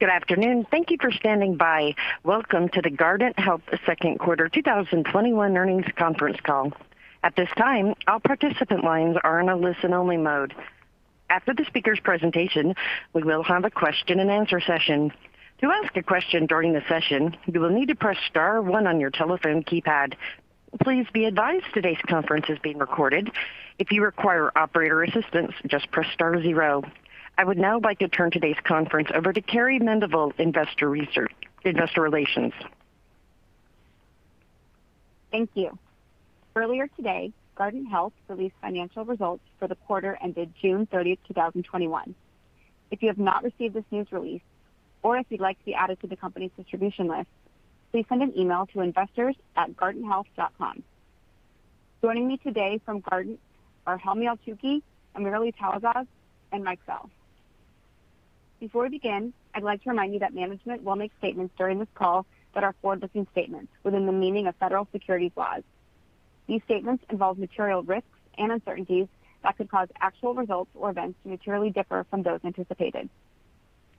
Good afternoon. Thank you for standing by. Welcome to the Guardant Health Second Quarter 2021 Earnings Conference Call. At this time, all participant lines are in a listen-only mode. After the speaker's presentation, we will have a question-and-answer session. To ask a question during the session, you will need to press star one on your telephone keypad. Please be advised today's conference is being recorded. If you require operator assistance, just press star zero. I would now like to turn today's conference over to Carrie Mendivil, investor relations. Thank you. Earlier today, Guardant Health released financial results for the quarter-ended June 30th, 2021. If you have not received this news release, or if you'd like to be added to the company's distribution list, please send an email to investors@guardanthealth.com. Joining me today from Guardant are Helmy Eltoukhy, AmirAli Talasaz, and Mike Bell. Before we begin, I'd like to remind you that management will make statements during this call that are forward-looking statements within the meaning of federal securities laws. These statements involve material risks and uncertainties that could cause actual results or events to materially differ from those anticipated.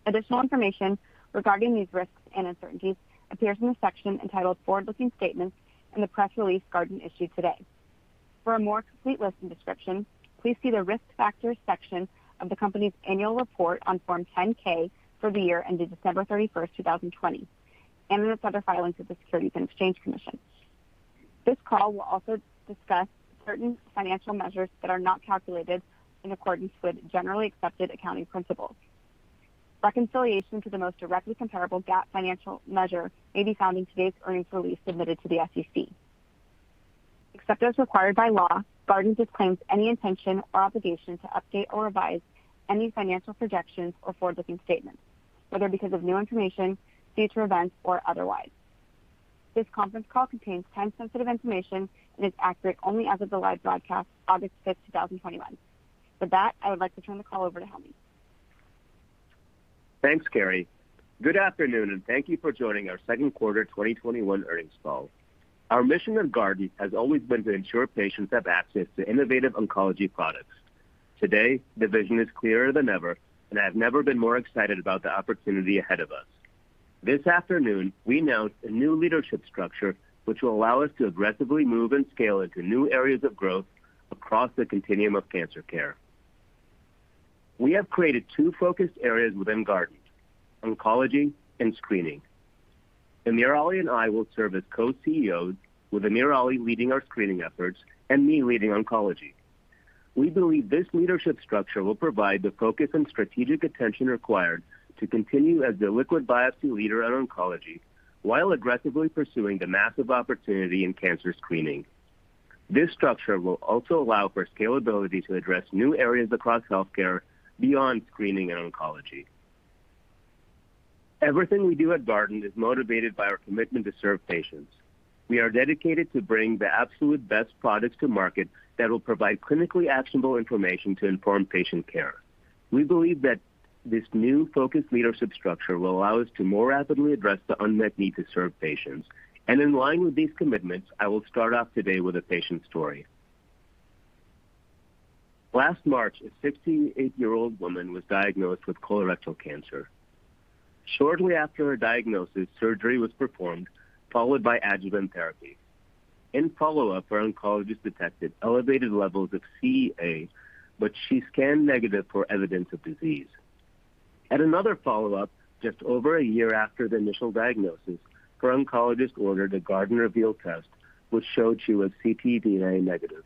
Additional information regarding these risks and uncertainties appears in the section entitled Forward-Looking Statements in the press release Guardant issued today. For a more complete list and description, please see the Risk Factors section of the company's annual report on Form 10-K for the year ended December 31st, 2020, and in its other filings with the Securities and Exchange Commission. This call will also discuss certain financial measures that are not calculated in accordance with generally accepted accounting principles. Reconciliation to the most directly comparable GAAP financial measure may be found in today's earnings release submitted to the SEC. Except as required by law, Guardant disclaims any intention or obligation to update or revise any financial projections or forward-looking statements, whether because of new information, future events, or otherwise. This conference call contains time-sensitive information and is accurate only as of the live broadcast, August 5th, 2021. With that, I would like to turn the call over to Helmy. Thanks, Carrie. Good afternoon, and thank you for joining our second quarter 2021 earnings call. Our mission at Guardant has always been to ensure patients have access to innovative oncology products. Today, the vision is clearer than ever, and I've never been more excited about the opportunity ahead of us. This afternoon, we announced a new leadership structure which will allow us to aggressively move and scale into new areas of growth across the continuum of cancer care. We have created two focused areas within Guardant, oncology and screening. AmirAli and I will serve as co-CEOs with AmirAli leading our screening efforts and me leading oncology. We believe this leadership structure will provide the focus and strategic attention required to continue as the liquid biopsy leader at oncology while aggressively pursuing the massive opportunity in cancer screening. This structure will also allow for scalability to address new areas across healthcare beyond screening and oncology. Everything we do at Guardant is motivated by our commitment to serve patients. We are dedicated to bring the absolute best products to market that will provide clinically actionable information to inform patient care. We believe that this new focused leadership structure will allow us to more rapidly address the unmet need to serve patients. In line with these commitments, I will start off today with a patient story. Last March, a 58-year-old woman was diagnosed with colorectal cancer. Shortly after her diagnosis, surgery was performed, followed by adjuvant therapy. In follow-up, her oncologist detected elevated levels of CEA, she scanned negative for evidence of disease. At another follow-up, just over a year after the initial diagnosis, her oncologist ordered a Guardant Reveal test, which showed she was ctDNA negative.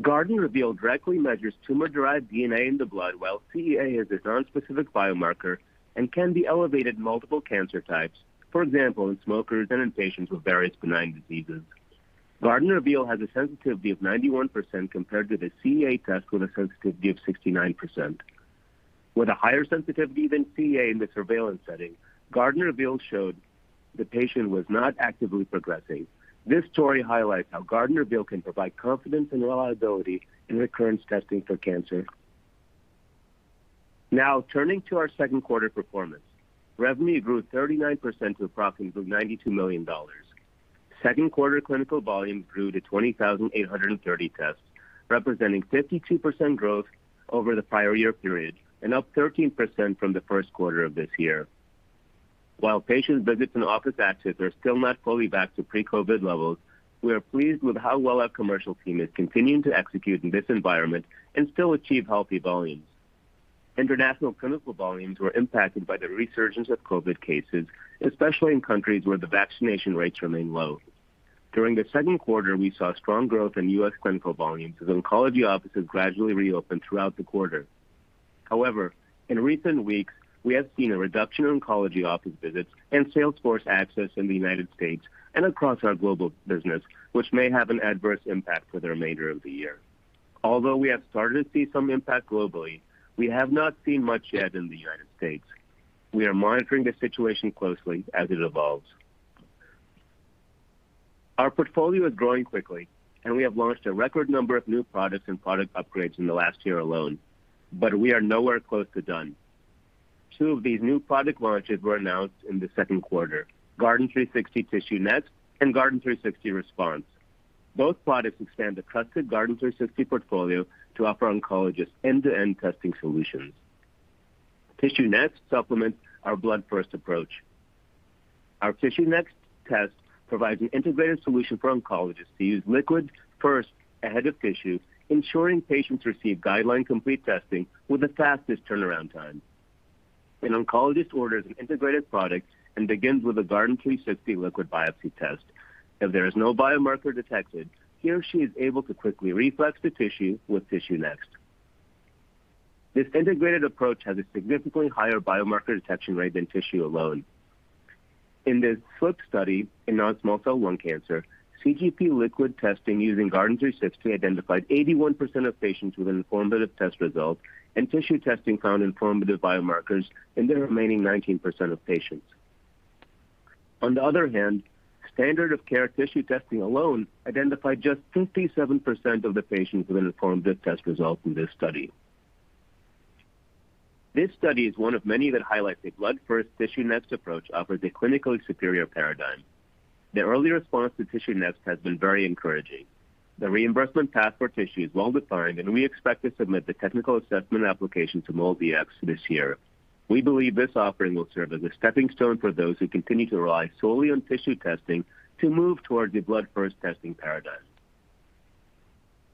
Guardant Reveal directly measures tumor-derived DNA in the blood, while CEA is a nonspecific biomarker and can be elevated multiple cancer types, for example, in smokers and in patients with various benign diseases. Guardant Reveal has a sensitivity of 91% compared to the CEA test with a sensitivity of 69%. With a higher sensitivity than CEA in the surveillance setting, Guardant Reveal showed the patient was not actively progressing. This story highlights how Guardant Reveal can provide confidence and reliability in recurrence testing for cancer. Turning to our second quarter performance. Revenue grew 39% to approximately $92 million. Second quarter clinical volume grew to 20,830 tests, representing 52% growth over the prior-year period and up 13% from the first quarter of this year. While patient visits and office access are still not fully back to pre-COVID levels, we are pleased with how well our commercial team is continuing to execute in this environment and still achieve healthy volumes. International clinical volumes were impacted by the resurgence of COVID cases, especially in countries where the vaccination rates remain low. During the second quarter, we saw strong growth in U.S. clinical volumes as oncology offices gradually reopened throughout the quarter. In recent weeks, we have seen a reduction in oncology office visits and sales force access in the United States and across our global business, which may have an adverse impact for the remainder of the year. We have started to see some impact globally, we have not seen much yet in the United States. We are monitoring the situation closely as it evolves. Our portfolio is growing quickly, and we have launched a record number of new products and product upgrades in the last year alone, but we are nowhere close to done. Two of these new product launches were announced in the second quarter, Guardant360 TissueNext and Guardant360 Response. Both products expand the trusted Guardant360 portfolio to offer oncologists end-to-end testing solutions. TissueNext supplements our blood-first approach. Our TissueNext test provides an integrated solution for oncologists to use liquid first ahead of tissue, ensuring patients receive guideline-complete testing with the fastest turnaround time. An oncologist orders an integrated product and begins with a Guardant360 liquid biopsy test. If there is no biomarker detected, he or she is able to quickly reflex the tissue with TissueNext. This integrated approach has a significantly higher biomarker detection rate than tissue alone. In the [SLIP study], in non-small cell lung cancer, ctDNA liquid testing using Guardant360 identified 81% of patients with informative test results, and tissue testing found informative biomarkers in the remaining 19% of patients. On the other hand, standard of care tissue testing alone identified just 57% of the patients with informative test results in this study. This study is one of many that highlights a blood first, TissueNext approach offers a clinically superior paradigm. The early response to TissueNext has been very encouraging. The reimbursement path for tissue is well-defined, and we expect to submit the technical assessment application to MolDX this year. We believe this offering will serve as a stepping stone for those who continue to rely solely on tissue testing to move towards a blood first testing paradigm.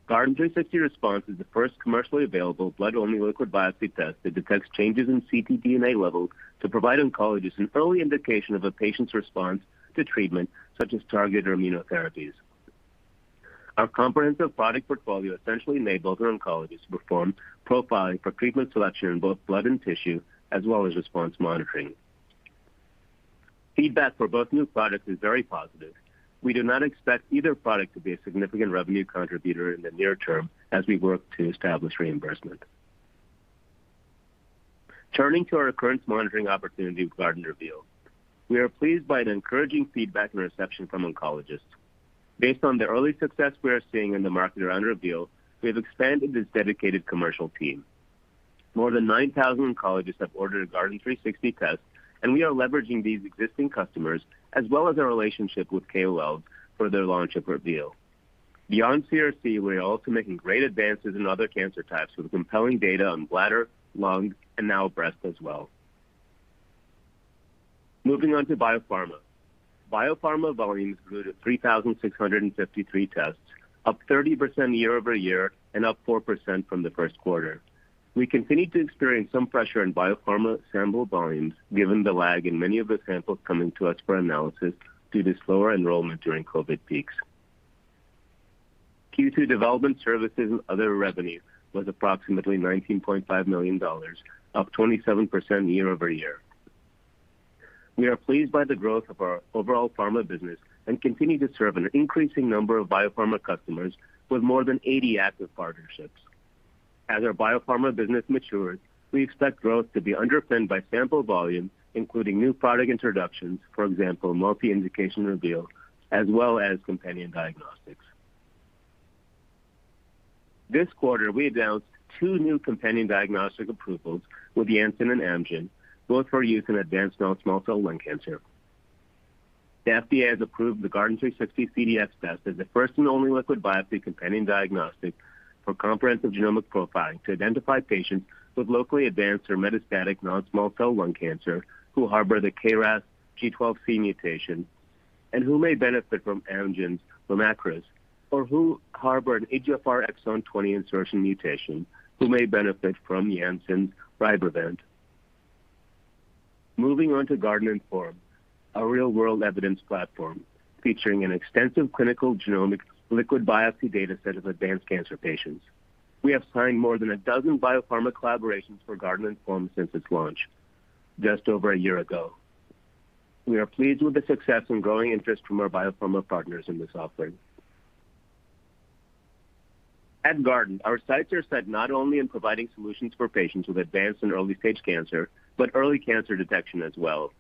Guardant360 Response is the first commercially available blood-only liquid biopsy test that detects changes in ctDNA levels to provide oncologists an early indication of a patient's response to treatment, such as targeted immunotherapies. Our comprehensive product portfolio essentially enables our oncologists to perform profiling for treatment selection in both blood and tissue, as well as response monitoring. Feedback for both new products is very positive. We do not expect either product to be a significant revenue contributor in the near term as we work to establish reimbursement. Turning to our recurrence monitoring opportunity with Guardant Reveal. We are pleased by the encouraging feedback and reception from oncologists. Based on the early success we are seeing in the market around Reveal, we have expanded this dedicated commercial team. More than 9,000 oncologists have ordered a Guardant360 test. We are leveraging these existing customers, as well as our relationship with KOLs for their launch of Reveal. Beyond CRC, we are also making great advances in other cancer types with compelling data on bladder, lung, and now breast as well. Moving on to biopharma. Biopharma volumes grew to 3,653 tests, up 30% year-over-year and up 4% from the first quarter. We continue to experience some pressure in biopharma sample volumes given the lag in many of the samples coming to us for analysis due to slower enrollment during COVID peaks. Q2 development services and other revenue was approximately $19.5 million, up 27% year-over-year. We are pleased by the growth of our overall pharma business and continue to serve an increasing number of biopharma customers with more than 80 active partnerships. As our biopharma business matures, we expect growth to be underpinned by sample volume, including new product introductions, for example, multi-indication Guardant Reveal, as well as companion diagnostics. This quarter, we announced two new companion diagnostic approvals with Janssen and Amgen, both for use in advanced non-small cell lung cancer. The FDA has approved the Guardant360 CDx test as the first and only liquid biopsy companion diagnostic for comprehensive genomic profiling to identify patients with locally advanced or metastatic non-small cell lung cancer who harbor the KRAS G12C mutation and who may benefit from Amgen's LUMAKRAS, or who harbor an EGFR exon 20 insertion mutation who may benefit from Janssen's RYBREVANT. Moving on to GuardantINFORM, our real-world evidence platform featuring an extensive clinical genomic liquid biopsy data set of advanced cancer patients. We have signed more than 12 biopharma collaborations for GuardantINFORM since its launch just over a year ago. We are pleased with the success and growing interest from our biopharma partners in this offering. At Guardant, our sights are set not only in providing solutions for patients with advanced and early-stage cancer, but early cancer detection as well.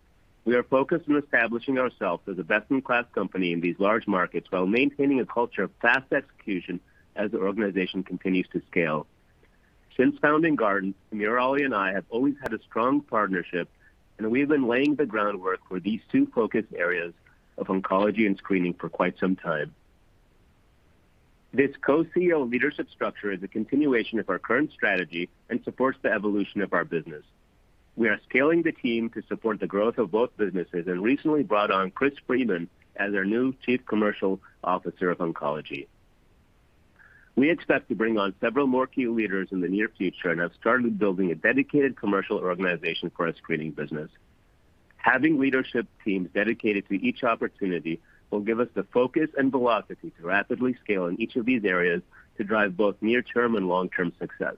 We are focused on establishing ourselves as a best-in-class company in these large markets while maintaining a culture of fast execution as the organization continues to scale. Since founding Guardant, AmirAli and I have always had a strong partnership. We've been laying the groundwork for these two focus areas of oncology and screening for quite some time. This co-CEO leadership structure is a continuation of our current strategy and supports the evolution of our business. We are scaling the team to support the growth of both businesses and recently brought on Chris Freeman as our new Chief Commercial Officer of Oncology. We expect to bring on several more key leaders in the near future and have started building a dedicated commercial organization for our screening business. Having leadership teams dedicated to each opportunity will give us the focus and velocity to rapidly scale in each of these areas to drive both near-term and long-term success.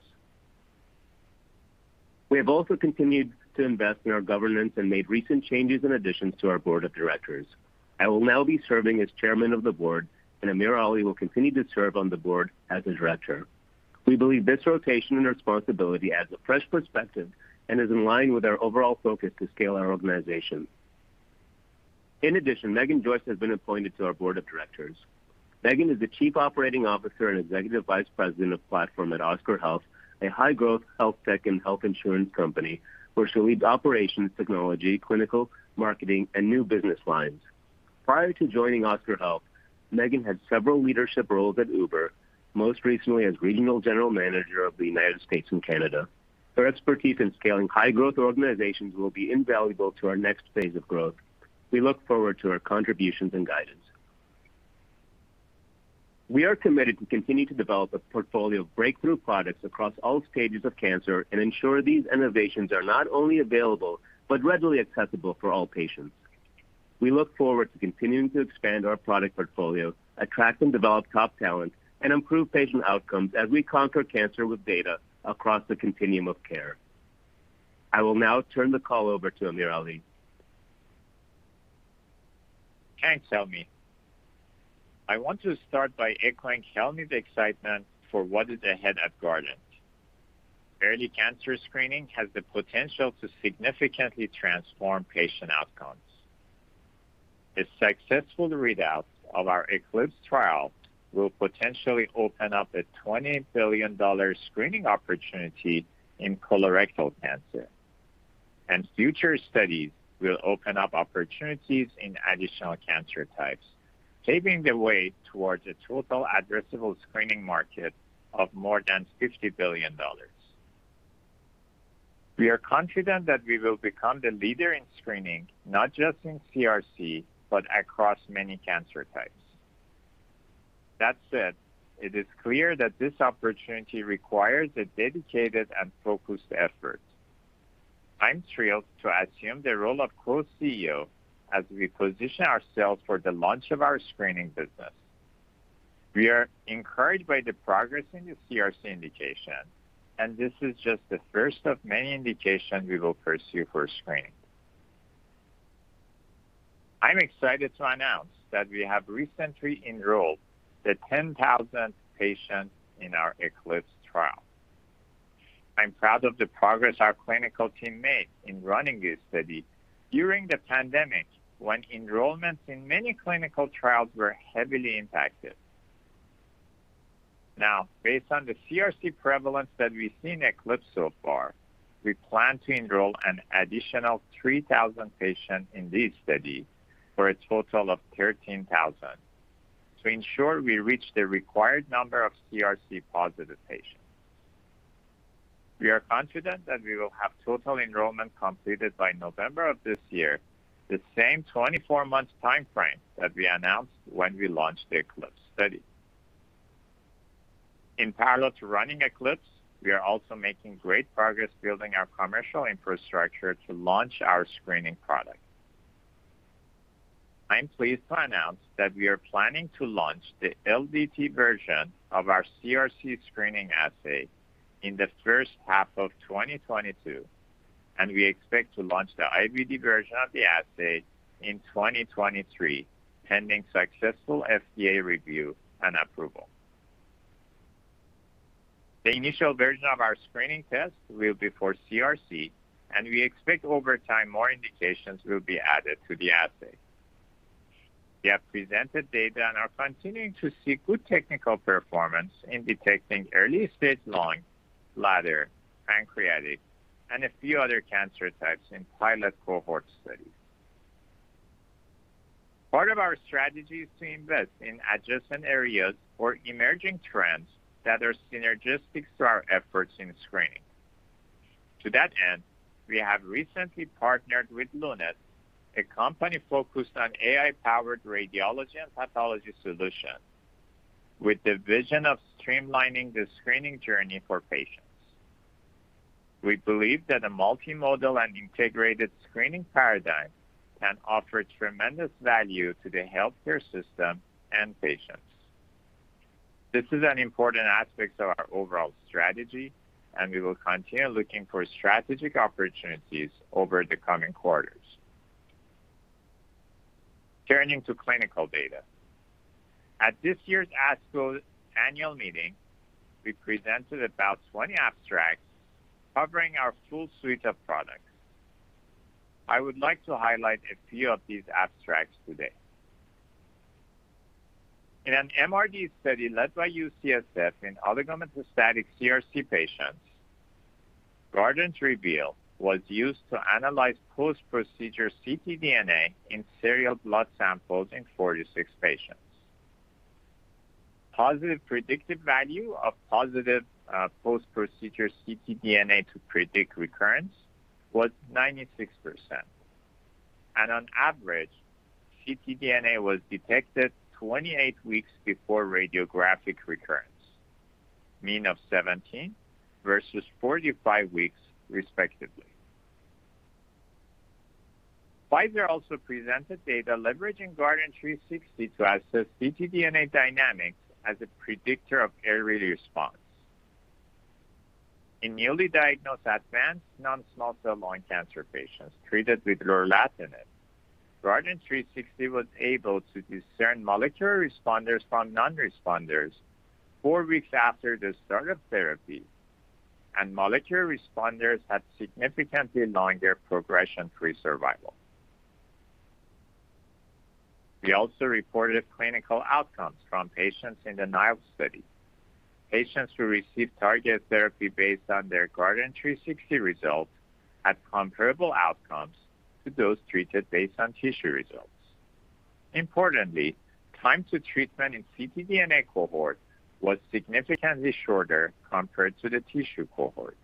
We have also continued to invest in our governance and made recent changes in addition to our board of directors. I will now be serving as Chairman of the Board, and AmirAli will continue to serve on the Board as a Director. We believe this rotation in responsibility adds a fresh perspective and is in line with our overall focus to scale our organization. In addition, Meghan Joyce has been appointed to our board of directors. Meghan is the Chief Operating Officer and Executive Vice President of Platform at Oscar Health, a high-growth health tech and health insurance company where she leads Operations, Technology, Clinical, Marketing, and New Business Lines. Prior to joining Oscar Health, Meghan had several leadership roles at Uber, most recently as Regional General Manager of the United States and Canada. Her expertise in scaling high-growth organizations will be invaluable to our next phase of growth. We look forward to her contributions and guidance. We are committed to continuing to develop a portfolio of breakthrough products across all stages of cancer and ensure these innovations are not only available, but readily accessible for all patients. We look forward to continuing to expand our product portfolio, attract and develop top talent, and improve patient outcomes as we conquer cancer with data across the continuum of care. I will now turn the call over to AmirAli. Thanks, Helmy. I want to start by echoing Helmy's excitement for what is ahead at Guardant Health. Early cancer screening has the potential to significantly transform patient outcomes. The successful readouts of our ECLIPSE trial will potentially open up a $20 billion screening opportunity in colorectal cancer. Future studies will open up opportunities in additional cancer types, paving the way towards a total addressable screening market of more than $50 billion. We are confident that we will become the leader in screening, not just in CRC, but across many cancer types. That said, it is clear that this opportunity requires a dedicated and focused effort. I'm thrilled to assume the role of Co-CEO as we position ourselves for the launch of our screening business. We are encouraged by the progress in the CRC indication. This is just the first of many indications we will pursue for screening. I'm excited to announce that we have recently enrolled the 10,000th patient in our ECLIPSE trial. I'm proud of the progress our clinical team made in running this study during the pandemic, when enrollments in many clinical trials were heavily impacted. Based on the CRC prevalence that we've seen in ECLIPSE so far, we plan to enroll an additional 3,000 patients in this study for a total of 13,000 to ensure we reach the required number of CRC-positive patients. We are confident that we will have total enrollment completed by November of this year, the same 24-month timeframe that we announced when we launched the ECLIPSE study. In parallel to running ECLIPSE, we are also making great progress building our commercial infrastructure to launch our screening product. I am pleased to announce that we are planning to launch the LDT version of our CRC screening assay in the first half of 2022, and we expect to launch the IVD version of the assay in 2023, pending successful FDA review and approval. The initial version of our screening test will be for CRC, and we expect over time, more indications will be added to the assay. We have presented data and are continuing to see good technical performance in detecting early-stage lung, bladder, pancreatic, and a few other cancer types in pilot cohort studies. Part of our strategy is to invest in adjacent areas or emerging trends that are synergistic to our efforts in screening. To that end, we have recently partnered with Lunit, a company focused on AI-powered radiology and pathology solutions, with the vision of streamlining the screening journey for patients. We believe that a multimodal and integrated screening paradigm can offer tremendous value to the healthcare system and patients. This is an important aspect of our overall strategy, and we will continue looking for strategic opportunities over the coming quarters. Turning to clinical data. At this year's ASCO annual meeting, we presented about 20 abstracts covering our full suite of products. I would like to highlight a few of these abstracts today. In an MRD study led by UCSF in oligometastatic CRC patients, Guardant Reveal was used to analyze post-procedure ctDNA in serial blood samples in 46 patients. Positive predictive value of positive post-procedure ctDNA to predict recurrence was 96%, and on average, ctDNA was detected 28 weeks before radiographic recurrence, mean of 17, versus 45 weeks respectively. Pfizer also presented data leveraging Guardant360 to assess ctDNA dynamics as a predictor of early response. In newly diagnosed advanced non-small cell lung cancer patients treated with lorlatinib, Guardant360 was able to discern molecular responders from non-responders four weeks after the start of therapy. Molecular responders had significantly longer progression-free survival. We also reported clinical outcomes from patients in the NILE study. Patients who received targeted therapy based on their Guardant360 results had comparable outcomes to those treated based on tissue results. Importantly, time to treatment in ctDNA cohort was significantly shorter compared to the tissue cohort,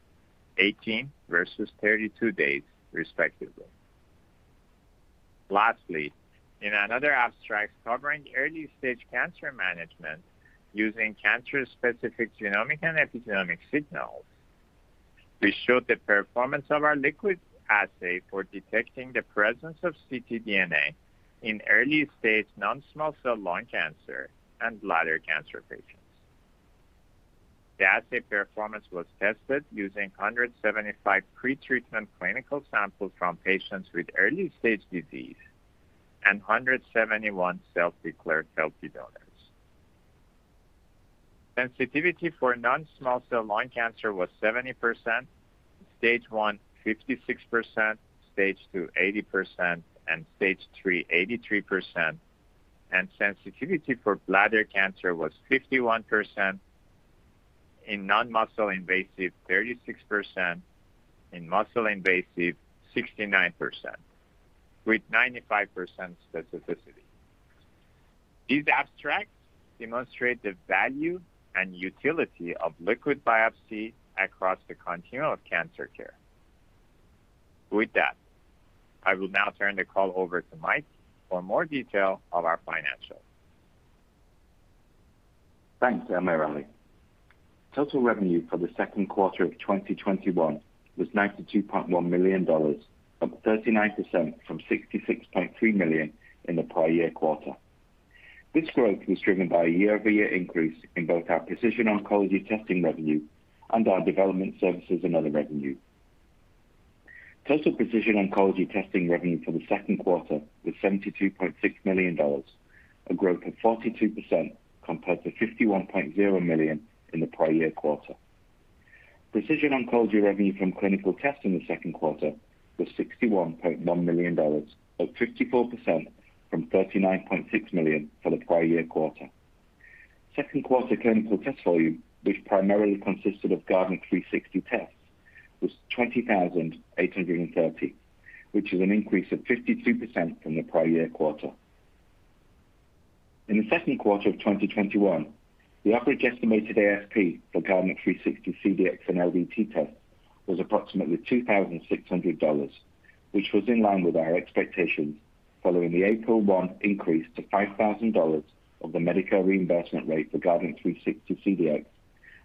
18 versus 32 days, respectively. Lastly, in another abstract covering early-stage cancer management using cancer-specific genomic and epigenomic signals, we showed the performance of our liquid assay for detecting the presence of ctDNA in early-stage non-small cell lung cancer and bladder cancer patients. The assay performance was tested using 175 pre-treatment clinical samples from patients with early-stage disease and 171 self-declared healthy donors. Sensitivity for non-small cell lung cancer was 70%, stage I, 56%, stage II, 80%, and stage III, 83%, and sensitivity for bladder cancer was 51%, in non-muscle invasive, 36%, in muscle invasive, 69%, with 95% specificity. These abstracts demonstrate the value and utility of liquid biopsy across the continuum of cancer care. With that, I will now turn the call over to Mike for more detail of our financials. Thanks, AmirAli. Total revenue for the second quarter of 2021 was $92.1 million, up 39% from $66.3 million in the prior-year quarter. This growth was driven by a year-over-year increase in both our precision oncology testing revenue and our development services and other revenue. Total precision oncology testing revenue for the second quarter was $72.6 million, a growth of 42% compared to $51.0 million in the prior-year quarter. Precision oncology revenue from clinical tests in the second quarter was $61.1 million, up 54% from $39.6 million for the prior-year quarter. Second quarter clinical test volume, which primarily consisted of Guardant360 tests, was 20,830, which is an increase of 52% from the prior-year quarter. In the second quarter of 2021, the average estimated ASP for Guardant360 CDx and LDT tests was approximately $2,600, which was in line with our expectations following the April 1 increase to $5,000 of the Medicare reimbursement rate for Guardant360 CDx,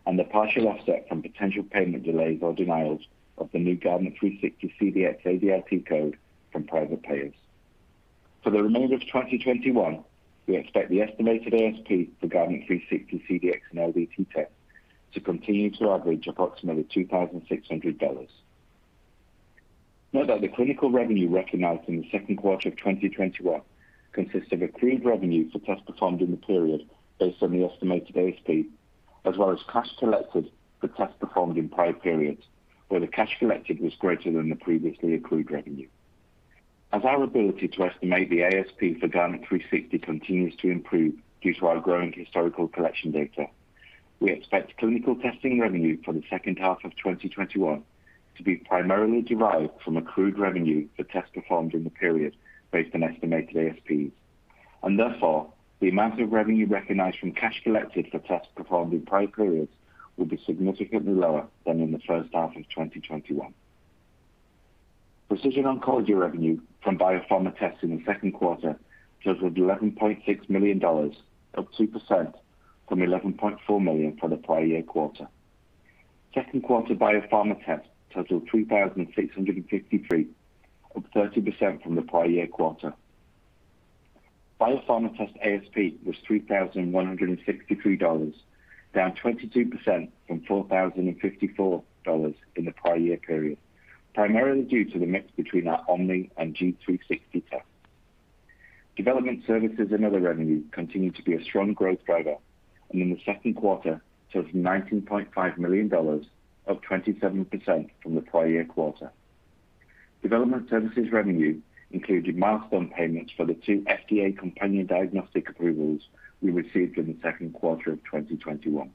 and the partial offset from potential payment delays or denials of the new Guardant360 CDx ADLT code from private payers. For the remainder of 2021, we expect the estimated ASP for Guardant360 CDx and LDT tests to continue to average approximately $2,600. Note that the clinical revenue recognized in the second quarter of 2021 consists of accrued revenue for tests performed in the period based on the estimated ASP, as well as cash collected for tests performed in prior periods, where the cash collected was greater than the previously accrued revenue. As our ability to estimate the ASP for Guardant360 continues to improve due to our growing historical collection data, we expect clinical testing revenue for the second half of 2021 to be primarily derived from accrued revenue for tests performed in the period based on estimated ASPs. Therefore, the amount of revenue recognized from cash collected for tests performed in prior periods will be significantly lower than in the first half of 2021. Precision oncology revenue from biopharma tests in the second quarter totaled $11.6 million, up 2% from $11.4 million for the prior-year quarter. Second quarter biopharma tests totaled 3,653, up 30% from the prior-year quarter. Biopharma test ASP was $3,163, down 22% from $4,054 in the prior-year period, primarily due to the mix between our GuardantOMNI and G360 tests. Development services and other revenue continued to be a strong growth driver and in the second quarter totaled $19.5 million, up 27% from the prior-year quarter. Development services revenue included milestone payments for the two FDA companion diagnostic approvals we received in the second quarter of 2021.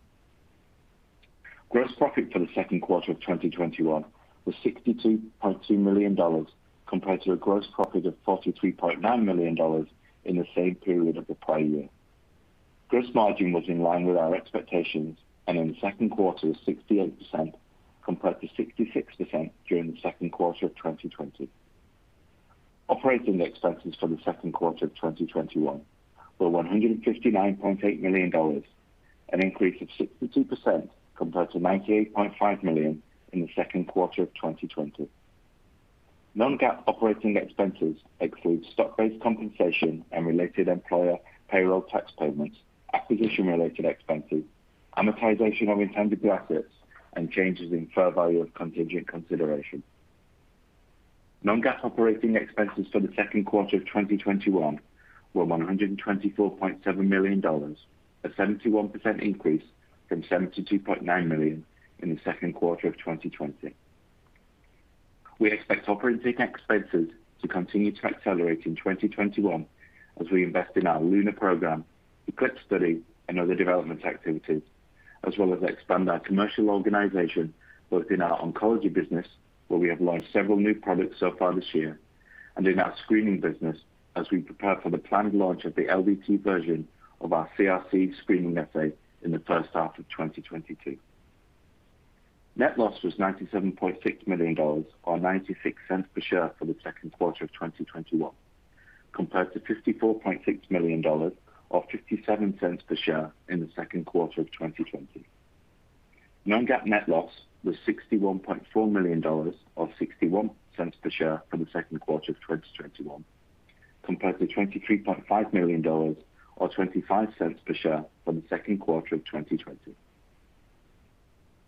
Gross profit for the second quarter of 2021 was $62.2 million, compared to a gross profit of $43.9 million in the same period of the prior year. Gross margin was in line with our expectations, and in the second quarter was 68%, compared to 66% during the second quarter of 2020. Operating expenses for the second quarter of 2021 were $159.8 million, an increase of 62% compared to $98.5 million in the second quarter of 2020. Non-GAAP operating expenses exclude stock-based compensation and related employer payroll tax payments, acquisition-related expenses, amortization of intangible assets, and changes in fair value of contingent consideration. Non-GAAP operating expenses for the second quarter of 2021 were $124.7 million, a 71% increase from $72.9 million in the second quarter of 2020. We expect operating expenses to continue to accelerate in 2021 as we invest in our LUNAR program, the ECLIPSE study, and other development activities, as well as expand our commercial organization, both in our oncology business, where we have launched several new products so far this year, and in our screening business, as we prepare for the planned launch of the LDT version of our CRC screening assay in the first half of 2022. Net loss was $97.6 million, or $0.96 per share for the second quarter of 2021, compared to $54.6 million, or $0.57 per share in the second quarter of 2020. Non-GAAP net loss was $61.4 million, or $0.61 per share for the second quarter of 2021, compared to $23.5 million or $0.25 per share for the second quarter of 2020.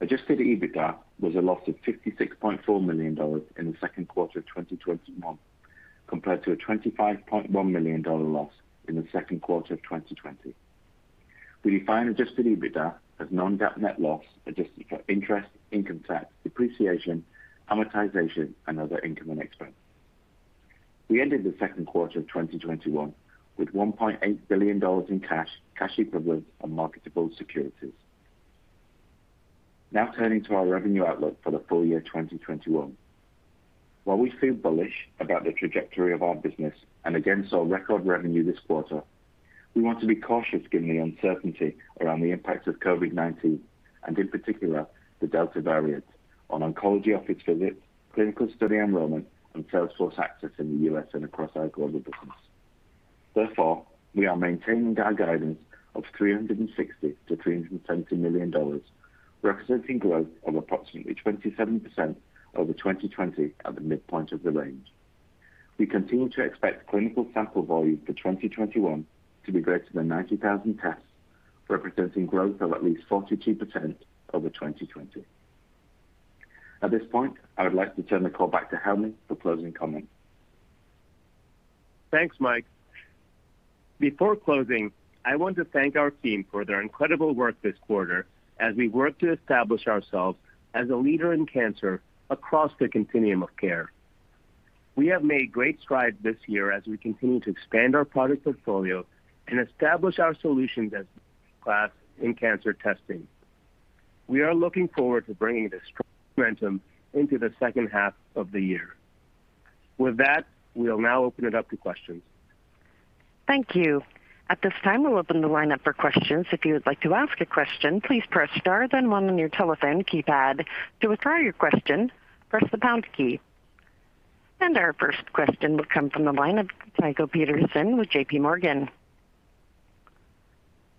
Adjusted EBITDA was a loss of $56.4 million in the second quarter of 2021, compared to a $25.1 million loss in the second quarter of 2020. We define adjusted EBITDA as non-GAAP net loss, adjusted for interest, income tax, depreciation, amortization, and other income and expense. We ended the second quarter of 2021 with $1.8 billion in cash equivalents, and marketable securities. Now turning to our revenue outlook for the full year 2021. While we feel bullish about the trajectory of our business, and against our record revenue this quarter, we want to be cautious given the uncertainty around the impacts of COVID-19, and in particular, the Delta variant on oncology office visits, clinical study enrollment, and sales force access in the U.S. and across our global business. We are maintaining our guidance of $360 million-$370 million, representing growth of approximately 27% over 2020 at the midpoint of the range. We continue to expect clinical sample volume for 2021 to be greater than 90,000 tests, representing growth of at least 42% over 2020. At this point, I would like to turn the call back to Helmy for closing comments. Thanks, Mike. Before closing, I want to thank our team for their incredible work this quarter as we work to establish ourselves as a leader in cancer across the continuum of care. We have made great strides this year as we continue to expand our product portfolio and establish our solutions as best in class in cancer testing. We are looking forward to bringing this strong momentum into the second half of the year. With that, we'll now open it up to questions. Thank you. At this time, we'll open the lineup for questions. If you would like to ask a question, please press star then one on your telephone keypad. To withdraw your question, press the pound key. Our first question will come from the line of Tycho Peterson with JPMorgan.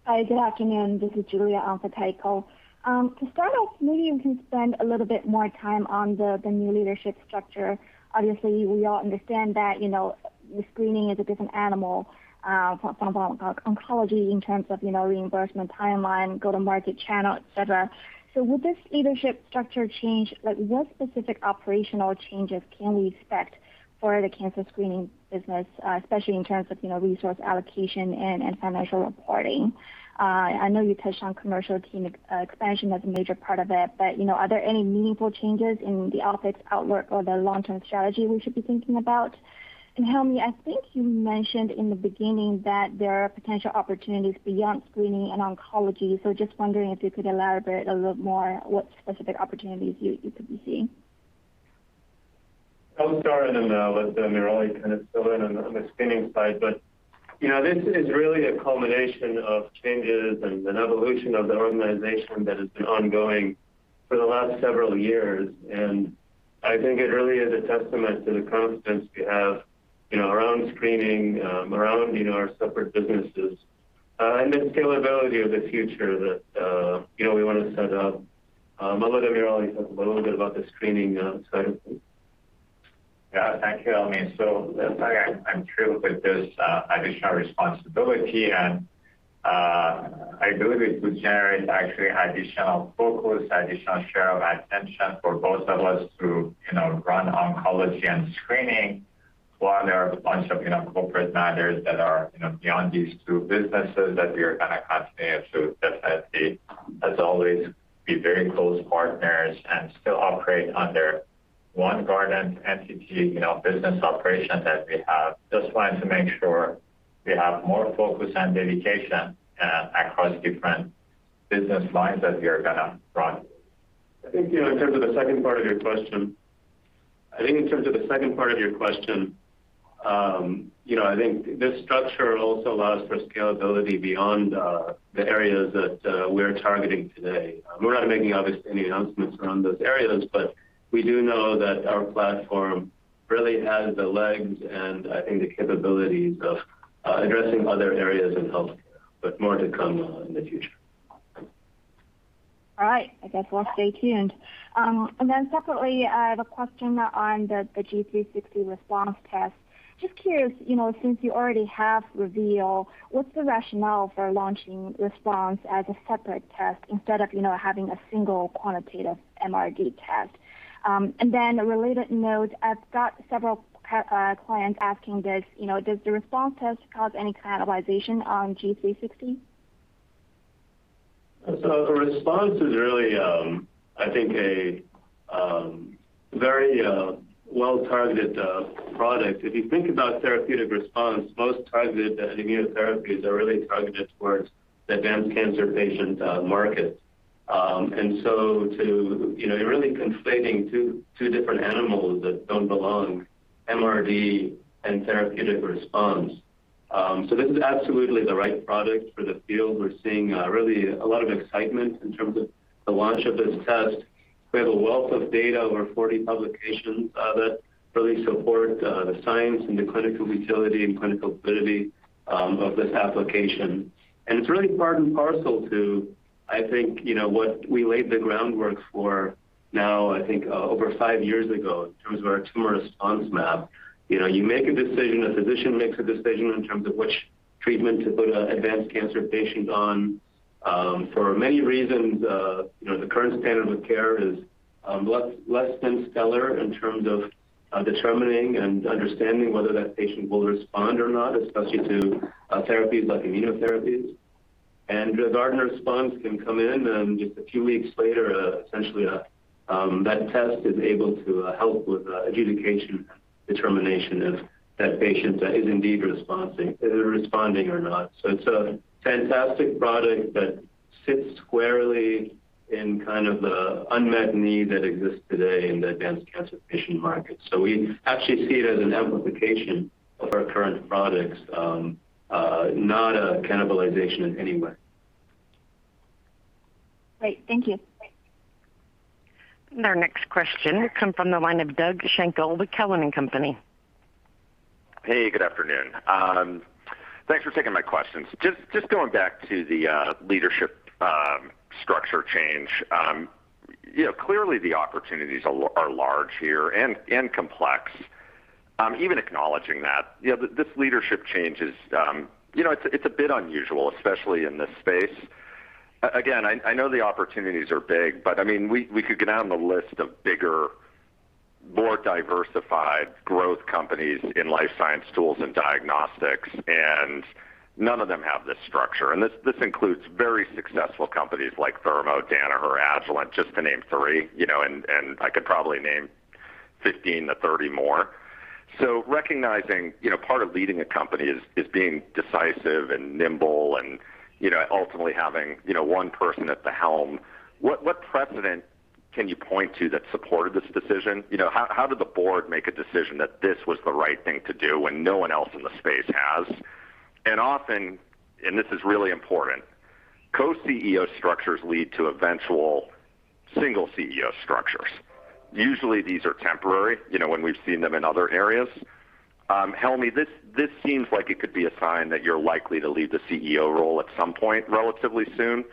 Hi, good afternoon. This is Julia on for Tycho. To start off, maybe you can spend a little bit more time on the new leadership structure. Obviously, we all understand that the screening is a different animal from oncology in terms of reimbursement timeline, go to market channel, etc. Will this leadership structure change, what specific operational changes can we expect for the cancer screening business, especially in terms of resource allocation and financial reporting? I know you touched on commercial team expansion as a major part of it, but are there any meaningful changes in the OpEx outlook or the long-term strategy we should be thinking about? Helmy, I think you mentioned in the beginning that there are potential opportunities beyond screening and oncology. Just wondering if you could elaborate a little more what specific opportunities you could be seeing. I'll start and then let AmirAli kind of fill in on the screening side. This is really a culmination of changes and an evolution of the organization that has been ongoing for the last several years, and I think it really is a testament to the confidence we have around screening, around our separate businesses, and then scalability of the future that we want to set up. AmirAli will talk a little bit about the screening side of things. Yeah, thank you, Helmy. This time I'm thrilled with this additional responsibility, and I believe it would generate actually additional focus, additional share of attention for both of us to run oncology and screening, while there are a bunch of corporate matters that are beyond these two businesses that we are going to continue to, as always, be very close partners and still operate under one Guardant entity business operation that we have. Just want to make sure we have more focus and dedication across different business lines that we are going to run. I think in terms of the second part of your question, I think this structure also allows for scalability beyond the areas that we're targeting today. We're not making, obviously, any announcements around those areas, but we do know that our platform really has the legs and I think the capabilities of addressing other areas in healthcare, but more to come in the future. All right. I guess we'll stay tuned. Separately, I have a question on the Guardant360 Response test. Just curious, since you already have Reveal, what's the rationale for launching Response as a separate test instead of having a single quantitative MRD test? A related note, I've got several clients asking this, does the Response test cause any cannibalization on G360? Response is really, I think, a very well-targeted product. If you think about therapeutic response, most targeted immunotherapies are really targeted towards the advanced cancer patient market. You're really conflating two different animals that don't belong, MRD and therapeutic response. This is absolutely the right product for the field. We're seeing really a lot of excitement in terms of the launch of this test. We have a wealth of data, over 40 publications that really support the science and the clinical utility and clinical validity of this application. It's really part and parcel to, I think, what we laid the groundwork for now, I think over five years ago, in terms of our tumor response map. A physician makes a decision in terms of which treatment to put an advanced cancer patient on. For many reasons, the current standard of care is less than stellar in terms of determining and understanding whether that patient will respond or not, especially to therapies like immunotherapies. The Guardant360 Response can come in and just a few weeks later, essentially, that test is able to help with adjudication determination if that patient is indeed responding or not. It's a fantastic product that sits squarely in kind of the unmet need that exists today in the advanced cancer patient market. We actually see it as an amplification of our current products, not a cannibalization in any way. Great. Thank you. Our next question will come from the line of Doug Schenkel with Cowen and Company. Hey, good afternoon. Thanks for taking my questions. Just going back to the leadership structure change. Clearly the opportunities are large here and complex. Even acknowledging that, this leadership change is a bit unusual, especially in this space. Again, I know the opportunities are big. We could go down the list of bigger, more diversified growth companies in life science tools and diagnostics, and none of them have this structure. This includes very successful companies like Thermo, Danaher, Agilent, just to name three. I could probably name 15-30 more. Recognizing part of leading a company is being decisive and nimble and ultimately having one person at the helm. What precedent can you point to that supported this decision? How did the board make a decision that this was the right thing to do when no one else in the space has? Often, and this is really important, co-CEO structures lead to eventual single CEO structures. Usually these are temporary when we've seen them in other areas. Helmy, this seems like it could be a sign that you're likely to leave the CEO role at some point relatively soon.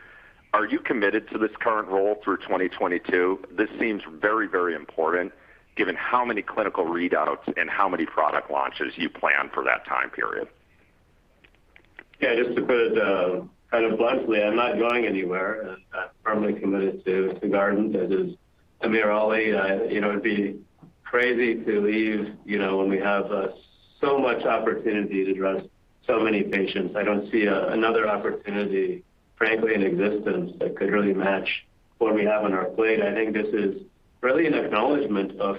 Are you committed to this current role through 2022? This seems very important given how many clinical readouts and how many product launches you plan for that time period. Yeah, just to put it kind of bluntly, I'm not going anywhere and I'm firmly committed to Guardant, as is AmirAli. It'd be crazy to leave when we have so much opportunity to address so many patients. I don't see another opportunity, frankly, in existence that could really match what we have on our plate. I think this is really an acknowledgment of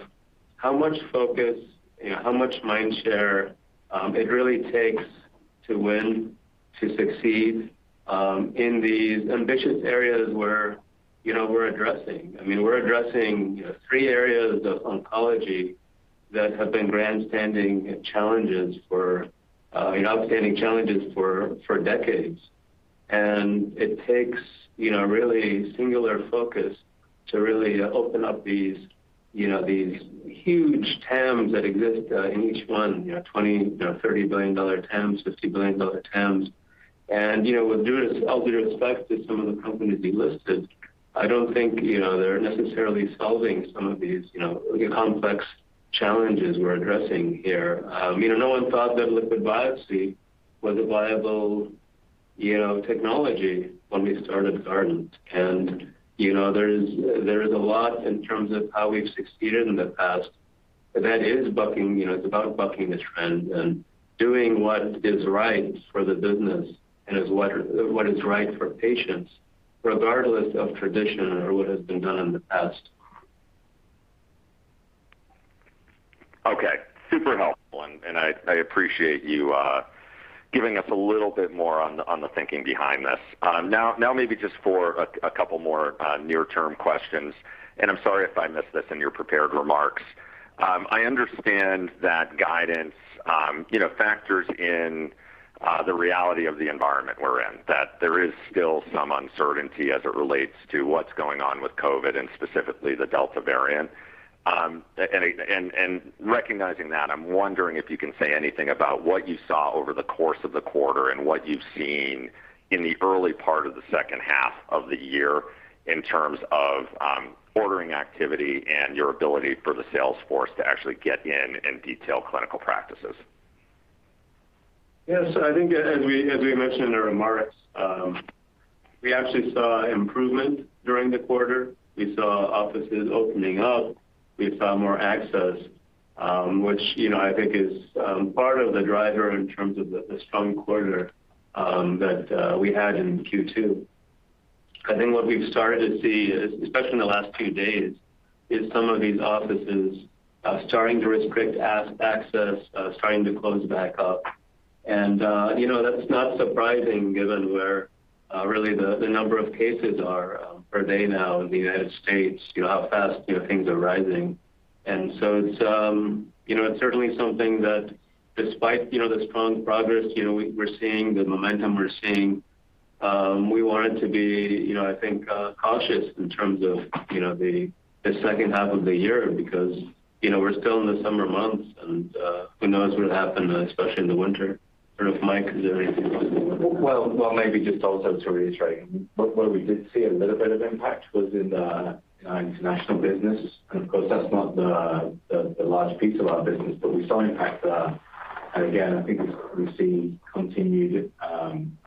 how much focus and how much mind share it really takes to win, to succeed in these ambitious areas where we're addressing. We're addressing three areas of oncology that have been outstanding challenges for decades. It takes really singular focus to really open up these huge TAMs that exist in each one, $20 billion, $30 billion TAMs, $50 billion TAMs. With due ultimate respect to some of the companies you listed, I don't think they're necessarily solving some of these complex challenges we're addressing here. No one thought that liquid biopsy was a viable technology when we started Guardant. There is a lot in terms of how we've succeeded in the past that is about bucking the trend and doing what is right for the business and what is right for patients, regardless of tradition or what has been done in the past. Okay. Super helpful. I appreciate you giving us a little bit more on the thinking behind this. Maybe just for a couple more near term questions. I'm sorry if I missed this in your prepared remarks. I understand that guidance factors in the reality of the environment we're in, that there is still some uncertainty as it relates to what's going on with COVID-19 and specifically the Delta variant. Recognizing that, I'm wondering if you can say anything about what you saw over the course of the quarter and what you've seen in the early part of the second half of the year in terms of ordering activity and your ability for the sales force to actually get in and detail clinical practices. I think as we mentioned in our remarks, we actually saw improvement during the quarter. We saw offices opening up. We saw more access, which I think is part of the driver in terms of the strong quarter that we had in Q2. I think what we've started to see, especially in the last few days, is some of these offices starting to restrict access, starting to close back up. That's not surprising given where really the number of cases are per day now in the U.S., how fast things are rising. It's certainly something that despite the strong progress we're seeing, the momentum we're seeing, we wanted to be I think cautious in terms of the second half of the year because we're still in the summer months and who knows what would happen, especially in the winter. I don't know if Mike has anything to add. Well, maybe just also to reiterate, where we did see a little bit of impact was in the international business. Of course, that's not the large piece of our business, but we saw impact there. Again, I think it's because we see continued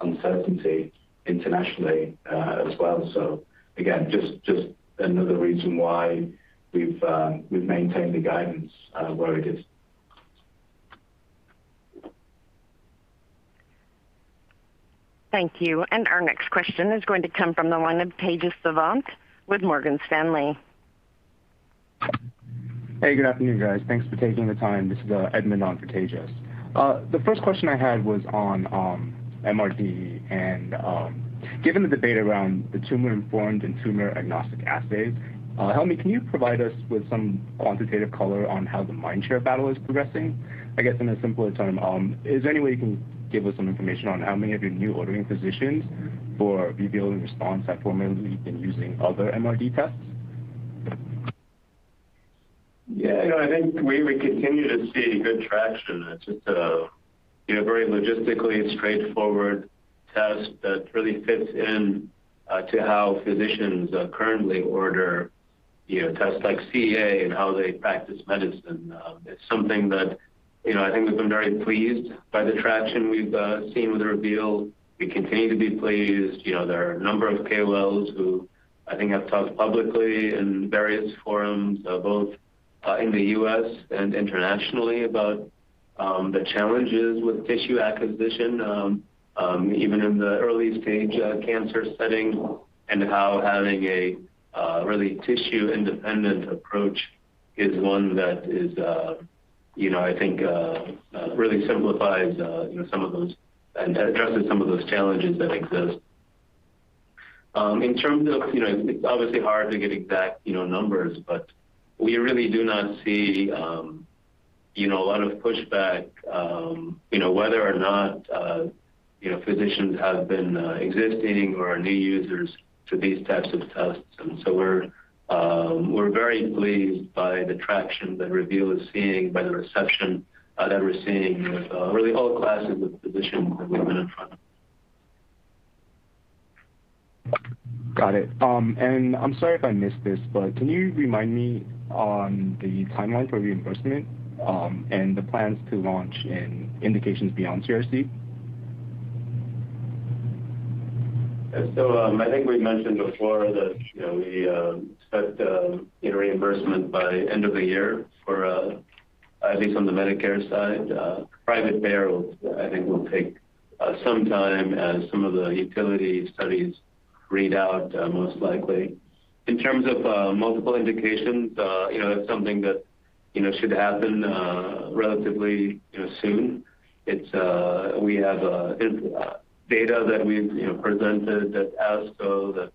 uncertainty internationally as well. Again, just another reason why we've maintained the guidance where it is. Thank you. Our next question is going to come from the line of Tejas Savant with Morgan Stanley. Hey, good afternoon, guys. Thanks for taking the time. This is Edmund on for Tejas. The first question I had was on MRD, and given the debate around the tumor-informed and tumor-agnostic assays, Helmy, can you provide us with some quantitative color on how the mind share battle is progressing? I guess in a simpler term, is there any way you can give us some information on how many of your new ordering physicians for Reveal in response have formerly been using other MRD tests? Yeah, I think we continue to see good traction. It's just a very logistically straightforward test that really fits in to how physicians currently order tests like CEA and how they practice medicine. It's something that I think we've been very pleased by the traction we've seen with the Reveal. We continue to be pleased. There are a number of KOLs who I think have talked publicly in various forums, both in the U.S. and internationally, about the challenges with tissue acquisition, even in the early-stage cancer setting, and how having a really tissue-independent approach is one that I think really simplifies some of those and addresses some of those challenges that exist. In terms of, it's obviously hard to get exact numbers, but we really do not see a lot of pushback whether or not physicians have been existing or are new users to these types of tests. We're very pleased by the traction that Reveal is seeing, by the reception that we're seeing with really all classes of physicians that we've been in front of. Got it. I'm sorry if I missed this, but can you remind me on the timeline for reimbursement, and the plans to launch in indications beyond CRC? I think we've mentioned before that we expect reimbursement by end of the year for at least on the Medicare side. Private payer, I think, will take some time as some of the utility studies read out, most likely. In terms of multiple indications, it's something that should happen relatively soon. We have data that we've presented at ASCO that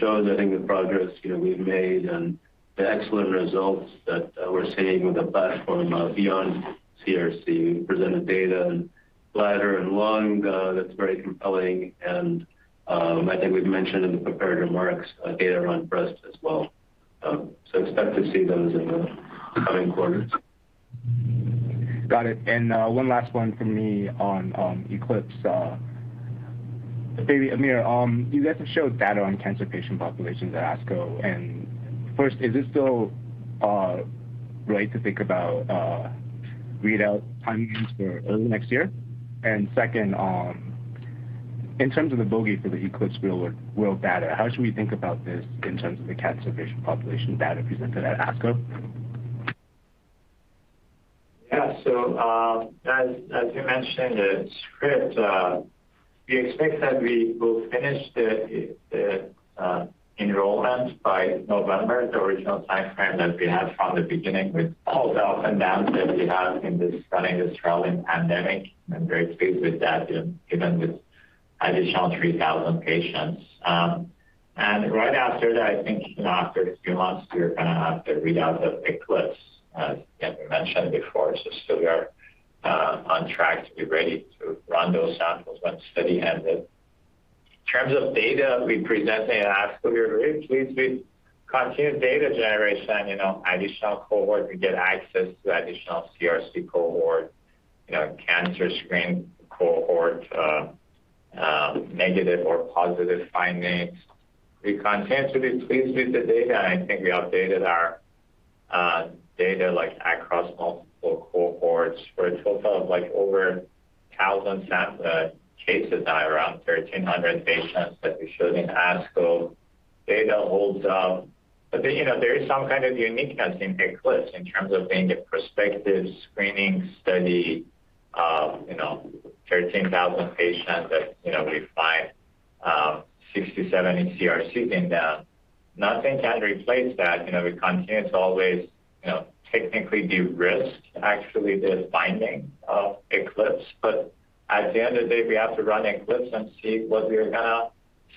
shows, I think, the progress we've made and the excellent results that we're seeing with the platform beyond CRC. We presented data in bladder and lung that's very compelling, and I think we've mentioned in the prepared remarks data on breast as well. Expect to see those in the coming quarters. Got it. One last one from me on ECLIPSE. AmirAli, you guys have showed data on cancer patient populations at ASCO. First, is it still right to think about readout timings for early next year? Second, in terms of the bogey for the ECLIPSE Real-World Data, how should we think about this in terms of the cancer patient population data presented at ASCO? Yeah. As you mentioned in the script, we expect that we will finish the enrollment by November, the original timeframe that we had from the beginning with all the ups and downs that we had in this running this trial in pandemic. I'm very pleased with that, given with additional 3,000 patients. Right after that, I think after a few months, we are going to have the readout of ECLIPSE, as we mentioned before. We are on track to be ready to run those samples once study ended. In terms of data we present at ASCO, we are very pleased with continued data generation, additional cohort. We get access to additional CRC cohort, cancer screen cohort, negative or positive findings. We're continuously pleased with the data, and I think we updated our. Data across multiple cohorts for a total of over 1,000 sample cases, around 1,300 patients that we showed in ASCO. Data holds up. There is some kind of uniqueness in ECLIPSE in terms of being a prospective screening study of 13,000 patients that we find 60, 70 CRCs in them. Nothing can replace that. We continue to always technically de-risk, actually, the finding of ECLIPSE. At the end of the day, we have to run ECLIPSE and see what we are going to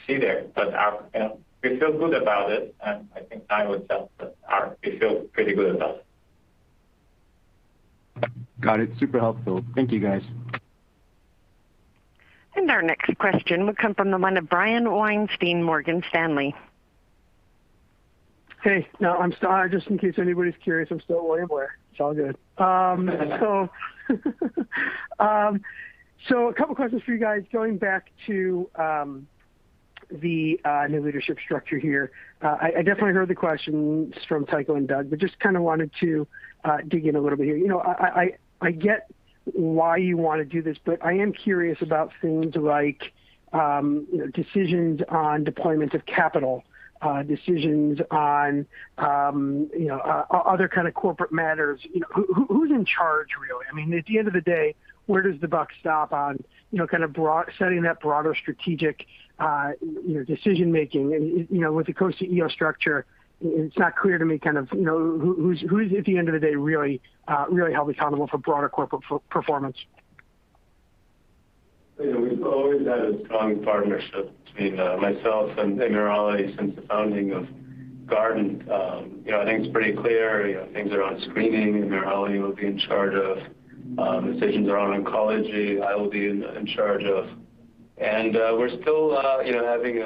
see there. We feel good about it, and I think I would say that we feel pretty good about it. Got it. Super helpful. Thank you, guys. Our next question would come from the line of Brian Weinstein, William Blair. Hey. Just in case anybody's curious, I'm still away. It's all good. A couple questions for you guys going back to the new leadership structure here. I definitely heard the questions from Tycho and Doug, but just wanted to dig in a little bit here. I get why you want to do this, but I am curious about things like decisions on deployment of capital, decisions on other kind of corporate matters. Who's in charge, really? I mean, at the end of the day, where does the buck stop on setting that broader strategic decision-making? With the co-CEO structure, it's not clear to me who's, at the end of the day, really held accountable for broader corporate performance. We've always had a strong partnership between myself and AmirAli since the founding of Guardant. I think it's pretty clear, things around screening, AmirAli will be in charge of. Decisions around oncology, I will be in charge of. We're still having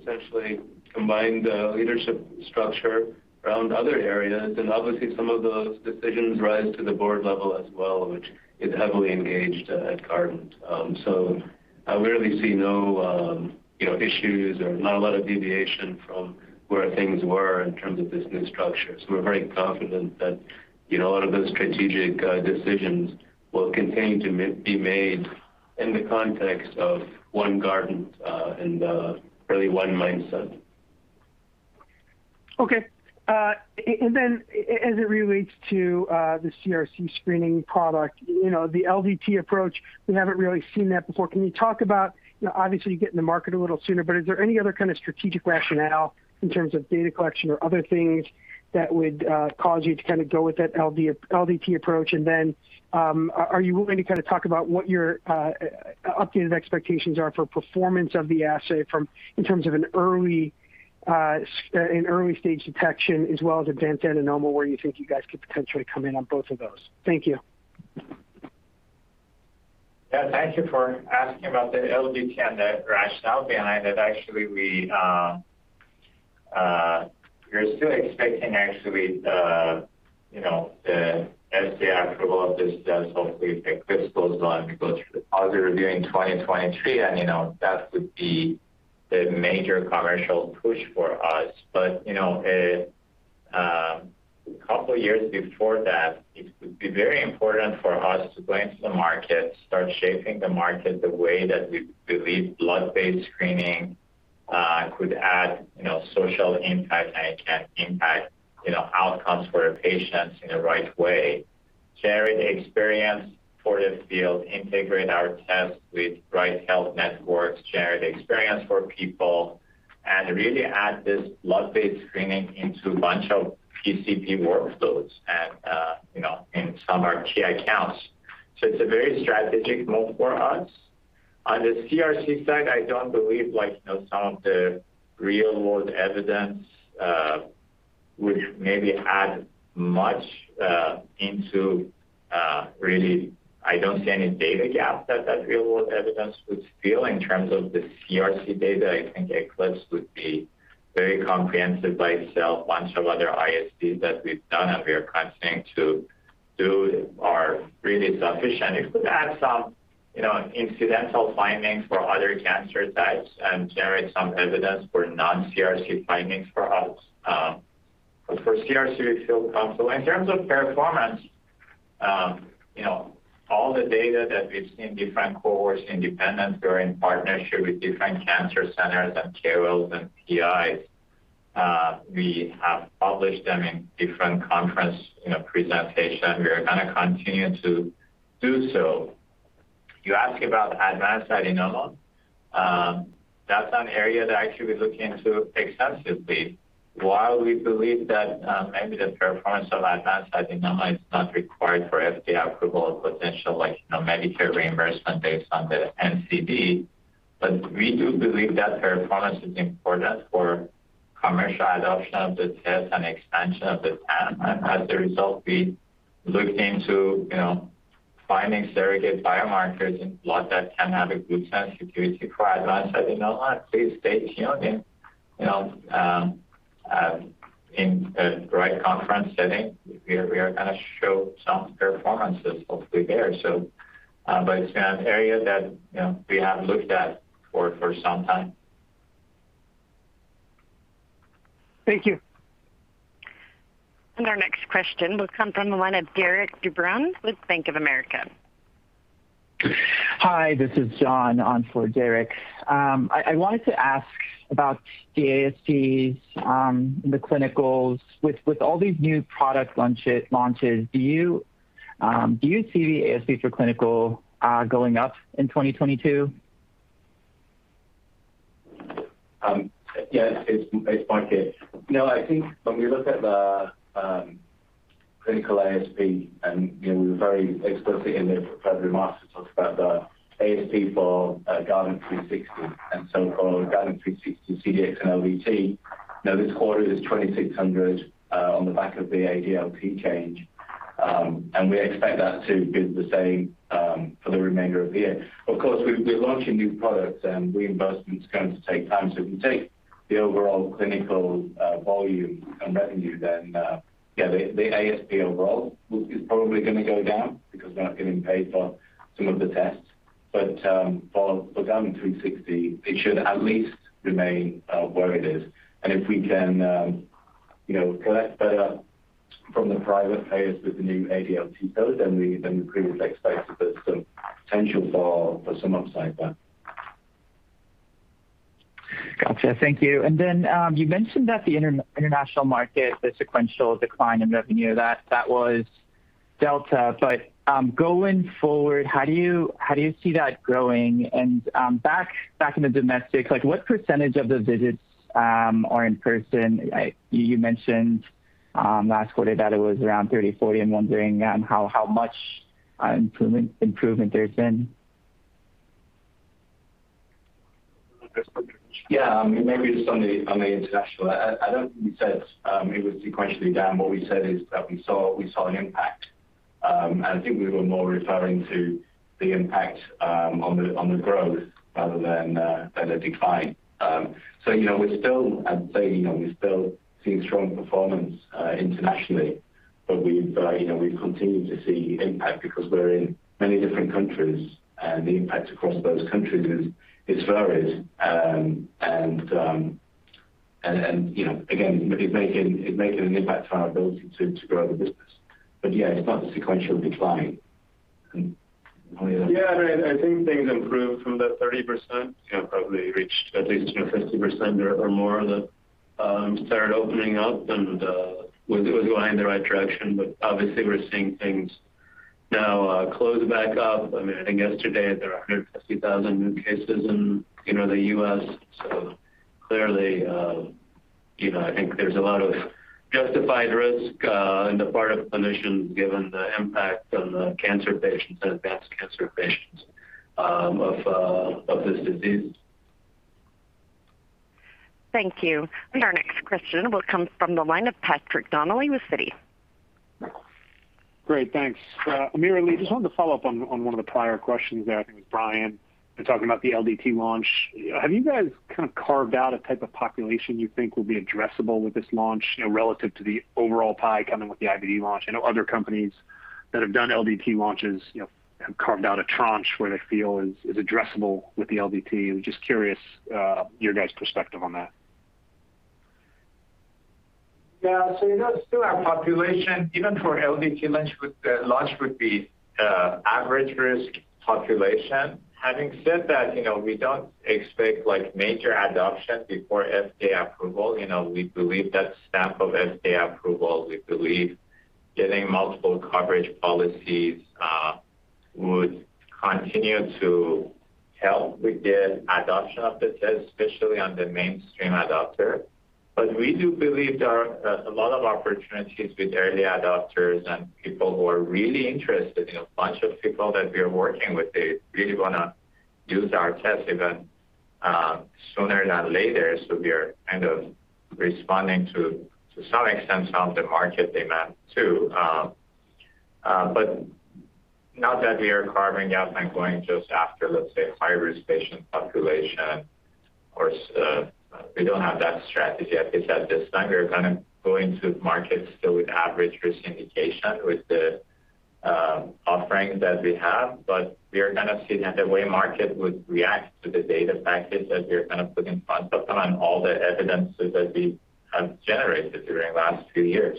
essentially combined leadership structure around other areas. Obviously, some of those decisions rise to the board level as well, which is heavily engaged at Guardant. I really see no issues or not a lot of deviation from where things were in terms of this new structure. We're very confident that a lot of those strategic decisions will continue to be made in the context of one Guardant, and really one mindset. Okay. As it relates to the CRC screening product, the LDT approach, we haven't really seen that before. Can you talk about, obviously you get in the market a little sooner, but is there any other kind of strategic rationale in terms of data collection or other things that would cause you to go with that LDT approach? Are you willing to talk about what your updated expectations are for performance of the assay in terms of an early-stage detection as well as advanced adenoma, where you think you guys could potentially come in on both of those? Thank you. Yeah. Thank you for asking about the LDT and the rationale behind it. Actually, we are still expecting the FDA approval of this test. Hopefully, if ECLIPSE goes on, we go through the review in 2023, and that would be the major commercial push for us. A couple of years before that, it would be very important for us to go into the market, start shaping the market the way that we believe blood-based screening could add social impact and it can impact outcomes for patients in the right way. Share the experience for the field, integrate our test with right health networks, share the experience for people, and really add this blood-based screening into a bunch of PCP workloads and in some of our key accounts. It's a very strategic move for us. On the CRC side, I don't believe some of the real-world evidence would maybe add much. I don't see any data gap that that real-world evidence would fill in terms of the CRC data. I think ECLIPSE would be very comprehensive by itself. Bunch of other ISTs that we've done and we are continuing to do are really sufficient. It could add some incidental findings for other cancer types and generate some evidence for non-CRC findings for us. For CRC, we feel comfortable. In terms of performance, all the data that we've seen, different cohorts, independent or in partnership with different cancer centers and KOLs and PIs, we have published them in different conference presentations. We are going to continue to do so. You ask about advanced adenoma. That's an area that actually we look into extensively. While we believe that maybe the performance of advanced adenoma is not required for FDA approval or potential Medicare reimbursement based on the NCD, we do believe that performance is important for commercial adoption of the test and expansion of the panel. As a result, we looked into finding surrogate biomarkers in blood that can have a good sensitivity for advanced adenoma. Please stay tuned in. In the right conference setting, we are going to show some performances, hopefully there. It's an area that we have looked at for some time. Thank you. Our next question will come from the line of Derik De Bruin with Bank of America. Hi, this is John on for Derik. I wanted to ask about the ASPs, the clinicals. With all these new product launches, do you see the ASP for clinical going up in 2022? Yes. It's Mike here. I think when we look at the clinical ASP, we were very explicit in the prepared remarks to talk about the ASP for Guardant360, for Guardant360 CDx and LDT. This quarter is $2,600 on the back of the ADLT change. We expect that to be the same for the remainder of the year. Of course, we're launching new products and reimbursement's going to take time. If you take the overall clinical volume and revenue, the ASP overall is probably going to go down because we're not getting paid for some of the tests. For Guardant360, it should at least remain where it is. If we can collect better from the private payers with the new ADLT code, we previously expected there's some potential for some upside there. Got you. Thank you. You mentioned that the international market, the sequential decline in revenue, that was Delta. How do you see that growing? What percentage of the visits are in person? You mentioned last quarter that it was around 30%-40%. I'm wondering how much improvement there's been. Yeah. Maybe just on the international, I don't think we said it was sequentially down. What we said is that we saw an impact. I think we were more referring to the impact on the growth rather than a decline. We're still seeing strong performance internationally. We've continued to see impact because we're in many different countries, and the impact across those countries is varied. Again, it's making an impact to our ability to grow the business. Yeah, it's not a sequential decline. Helmy? I think things improved from the 30%, probably reached at least 50% or more that started opening up and was going in the right direction. Obviously we're seeing things now close back up. I think yesterday there were 150,000 new cases in the U.S., clearly, I think there's a lot of justified risk on the part of clinicians given the impact on the cancer patients and advanced cancer patients of this disease. Thank you. Our next question will come from the line of Patrick Donnelly with Citi. Great, thanks. AmirAli, just wanted to follow up on one of the prior questions there. I think it was Brian Weinstein, talking about the LDT launch. Have you guys kind of carved out a type of population you think will be addressable with this launch, relative to the overall pie coming with the IVD launch? I know other companies that have done LDT launches have carved out a tranche where they feel is addressable with the LDT. I'm just curious your guys' perspective on that. Yeah. That's still our population. Even for LDT launch would be average risk population. Having said that, we don't expect major adoption before FDA approval. We believe that stamp of FDA approval, we believe getting multiple coverage policies would continue to help with the adoption of the test, especially on the mainstream adopter. We do believe there are a lot of opportunities with early adopters and people who are really interested in a bunch of people that we are working with. They really want to use our test even sooner than later. We are kind of responding to some extent some of the market demand, too. Not that we are carving out and going just after, let's say, high-risk patient population. We don't have that strategy yet, because at this time, we're going to go into markets still with average risk indication with the offerings that we have. We are going to see the way market would react to the data package that we're going to put in front of them and all the evidences that we have generated during the last few years.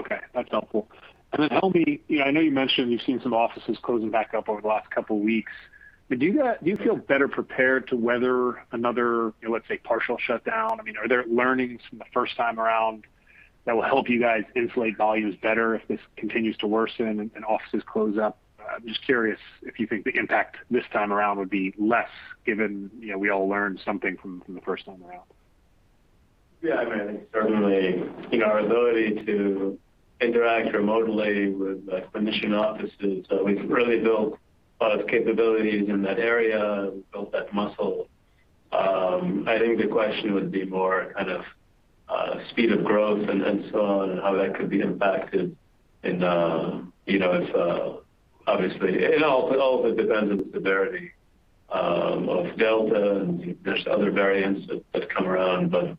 Okay. That's helpful. Helmy, I know you mentioned you've seen some offices closing back up over the last couple of weeks. Do you feel better prepared to weather another, let's say, partial shutdown? Are there learnings from the first time around that will help you guys inflate volumes better if this continues to worsen and offices close up? I'm just curious if you think the impact this time around would be less given we all learned something from the first time around. Yeah. I think certainly our ability to interact remotely with clinician offices, we've really built a lot of capabilities in that area and built that muscle. I think the question would be more kind of speed of growth and so on, and how that could be impacted. Obviously, it all depends on the severity of Delta and if there's other variants that come.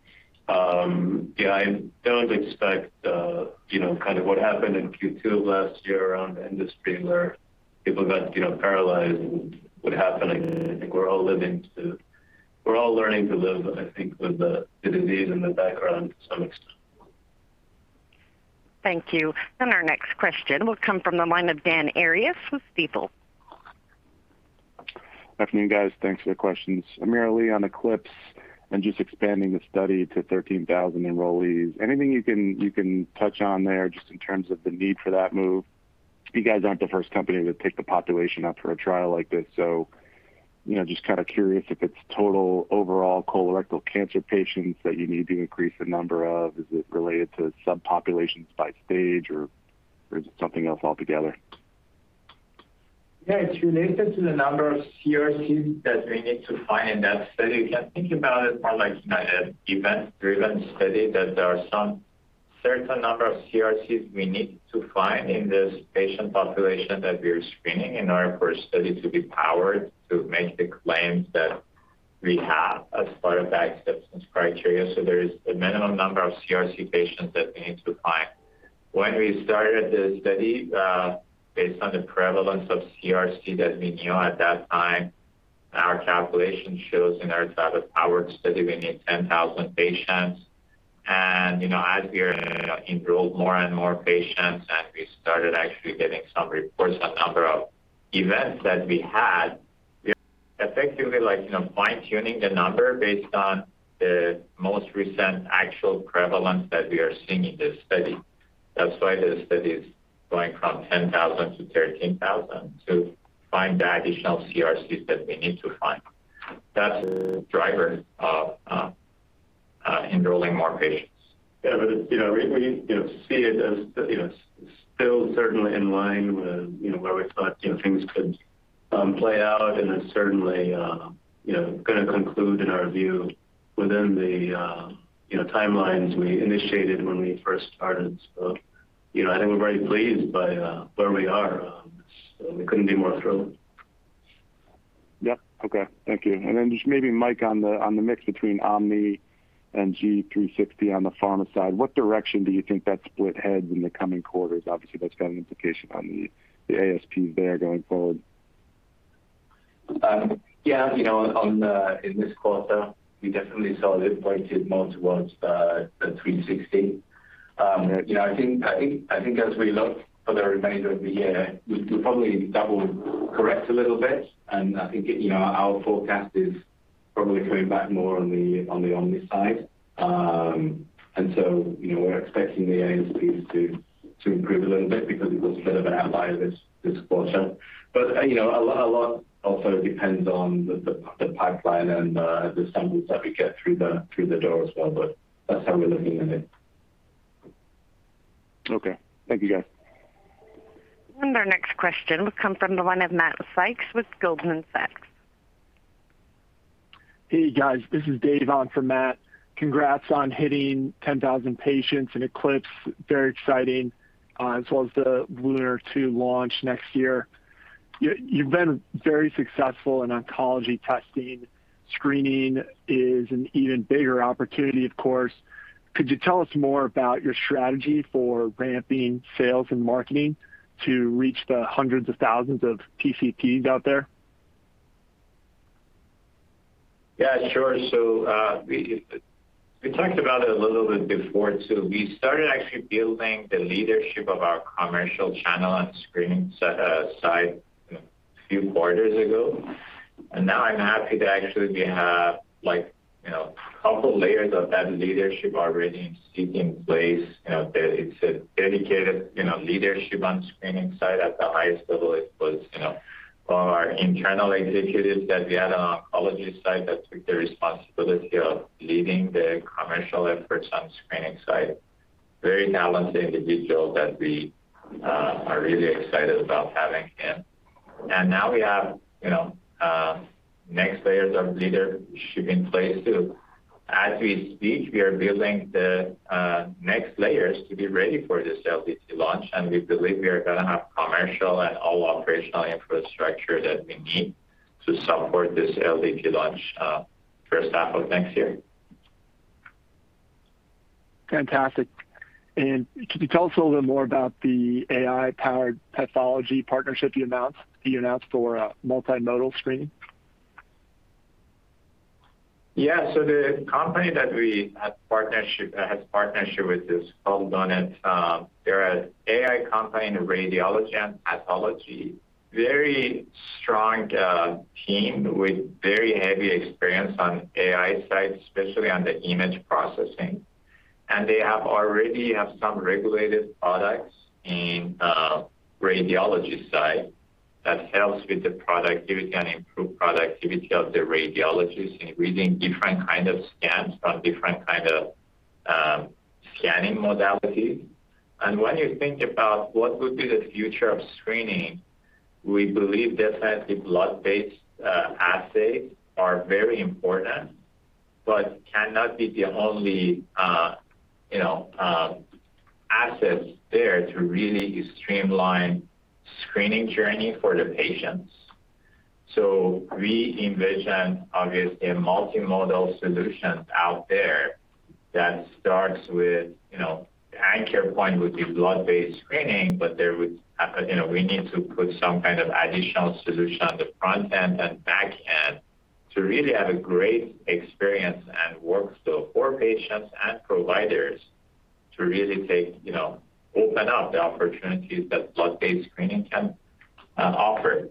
Yeah, I don't expect what happened in Q2 last year around the industry where people got paralyzed and what happened. I think we're all learning to live, I think, with the disease in the background to some extent. Thank you. Our next question will come from the line of Dan Arias with Stifel. Good afternoon, guys. Thanks for the questions. AmirAli, on ECLIPSE and just expanding the study to 13,000 enrollees, anything you can touch on there just in terms of the need for that move? You guys aren't the first company to pick the population up for a trial like this, so just curious if it's total overall colorectal cancer patients that you need to increase the number of. Is it related to subpopulations by stage, or is it something else altogether? Yeah. It's related to the number of CRCs that we need to find in that study. You can think about it more like an event-driven study, that there are some certain number of CRCs we need to find in this patient population that we are screening in order for a study to be powered to make the claims that we have as part of the acceptance criteria. There is a minimum number of CRC patients that we need to find. When we started the study, based on the prevalence of CRC that we knew at that time, our calculation shows in our type of powered study, we need 10,000 patients. As we enrolled more and more patients, and we started actually getting some reports on number of events that we had, we are effectively fine-tuning the number based on the most recent actual prevalence that we are seeing in this study. That is why the study is going from 10,000 to 13,000 to find the additional CRCs that we need to find. That is the driver of enrolling more patients. Yeah. We see it as still certainly in line with where we thought things could play out and then certainly going to conclude in our view within the timelines we initiated when we first started. I think we're very pleased by where we are. We couldn't be more thrilled. Yep. Okay. Thank you. Then just maybe, Mike, on the mix between GuardantOMNI and G360 on the pharma side, what direction do you think that split heads in the coming quarters? Obviously, that's got an implication on the ASPs there going forward. Yeah. In this quarter, we definitely saw it weighted more towards the Guardant360. I think as we look for the remainder of the year, we'll probably double correct a little bit, and I think our forecast is probably coming back more on the GuardantOMNI side. We're expecting the ASPs to improve a little bit because it was a bit of an outlier this quarter. A lot also depends on the pipeline and the samples that we get through the door as well, but that's how we're looking at it. Okay. Thank you, guys. Our next question will come from the line of Matt Sykes with Goldman Sachs. Hey, guys. This is David on for Matt. Congrats on hitting 10,000 patients in ECLIPSE. Very exciting. As well as the LUNAR-2 launch next year. You've been very successful in oncology testing. Screening is an even bigger opportunity, of course. Could you tell us more about your strategy for ramping sales and marketing to reach the hundreds of thousands of PCPs out there? Yeah, sure. We talked about it a little bit before, too. We started actually building the leadership of our commercial channel and screening side a few quarters ago, and now I'm happy to actually have a couple layers of that leadership already sitting in place. It's a dedicated leadership on screening side at the highest level. It was our internal executives that we had on oncology side that took the responsibility of leading the commercial efforts on screening side. Very talented individual that we are really excited about having him. Now we have next layers of leadership in place, too. As we speak, we are building the next layers to be ready for this LDT launch, and we believe we are going to have commercial and all operational infrastructure that we need to support this LDT launch first half of next year. Fantastic. Could you tell us a little bit more about the AI-powered pathology partnership you announced for multimodal screening? The company that we have partnership with is called Lunit. They're an AI company in radiology and pathology. Very strong team with very heavy experience on AI side, especially on the image processing. They already have some regulated products in radiology side that helps with the productivity and improve productivity of the radiologists in reading different kind of scans from different kind of scanning modalities. When you think about what would be the future of screening, we believe definitely blood-based assays are very important, but cannot be the only assets there to really streamline screening journey for the patients. We envision, obviously, a multimodal solution out there that starts with, the anchor point would be blood-based screening, but we need to put some kind of additional solution on the front end and back end to really have a great experience and workflow for patients and providers to really open up the opportunities that blood-based screening can offer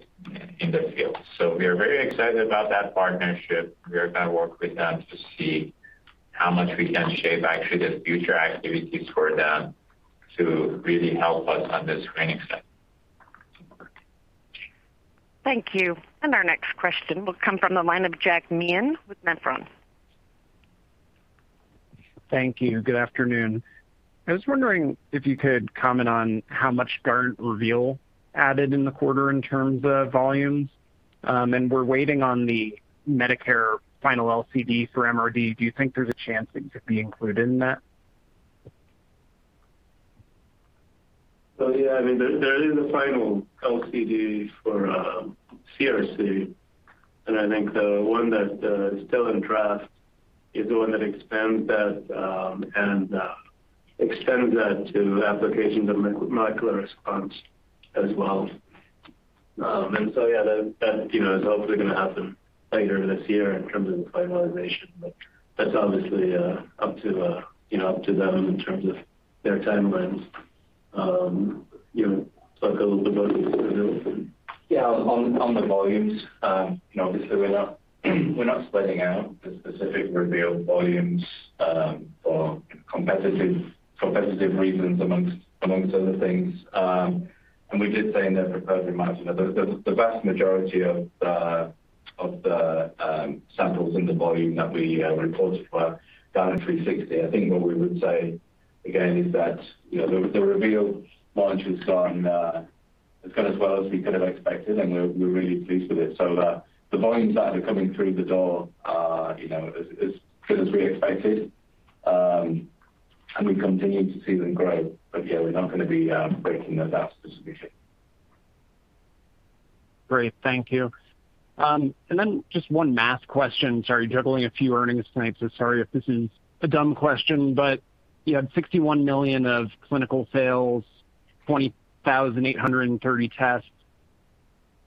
in the field. We are very excited about that partnership. We are going to work with them to see how much we can shape actually the future activities for them to really help us on the screening side. Thank you. Our next question will come from the line of Jack Meehan with Nephron. Thank you. Good afternoon. I was wondering if you could comment on how much Guardant Reveal added in the quarter in terms of volumes. We're waiting on the Medicare final LCD for MRD. Do you think there's a chance it could be included in that? Yeah, there is a final LCD for CRC, and I think the one that is still in draft is the one that extends that to applications of molecular response as well. Yeah, that is hopefully going to happen later this year in terms of the finalization. That's obviously up to them in terms of their timelines. I'll go to Mike to fill this in. Yeah, on the volumes, obviously we're not splitting out the specific Guardant Reveal volumes for competitive reasons amongst other things. We did say in the prepared remarks that the vast majority of the samples in the volume that we reported were Guardant360. I think what we would say, again, is that the Guardant Reveal launch has gone as well as we could have expected, and we're really pleased with it. The volumes that are coming through the door are as good as we expected, and we continue to see them grow. Yeah, we're not going to be breaking those out specifically. Great, thank you. Just one math question. Sorry, juggling a few earnings tonight, so sorry if this is a dumb question, but you had $61 million of clinical sales, 20,830 tests.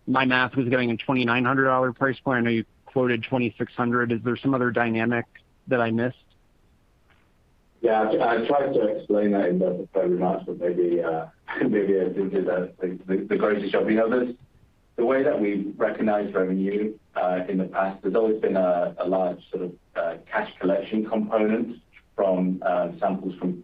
My math was giving a $2,900 price point. I know you quoted $2,600. Is there some other dynamic that I missed? Yeah, I tried to explain that in the prepared remarks, but maybe I didn't do the greatest job. The way that we recognize revenue, in the past, there's always been a large sort of cash collection component from samples from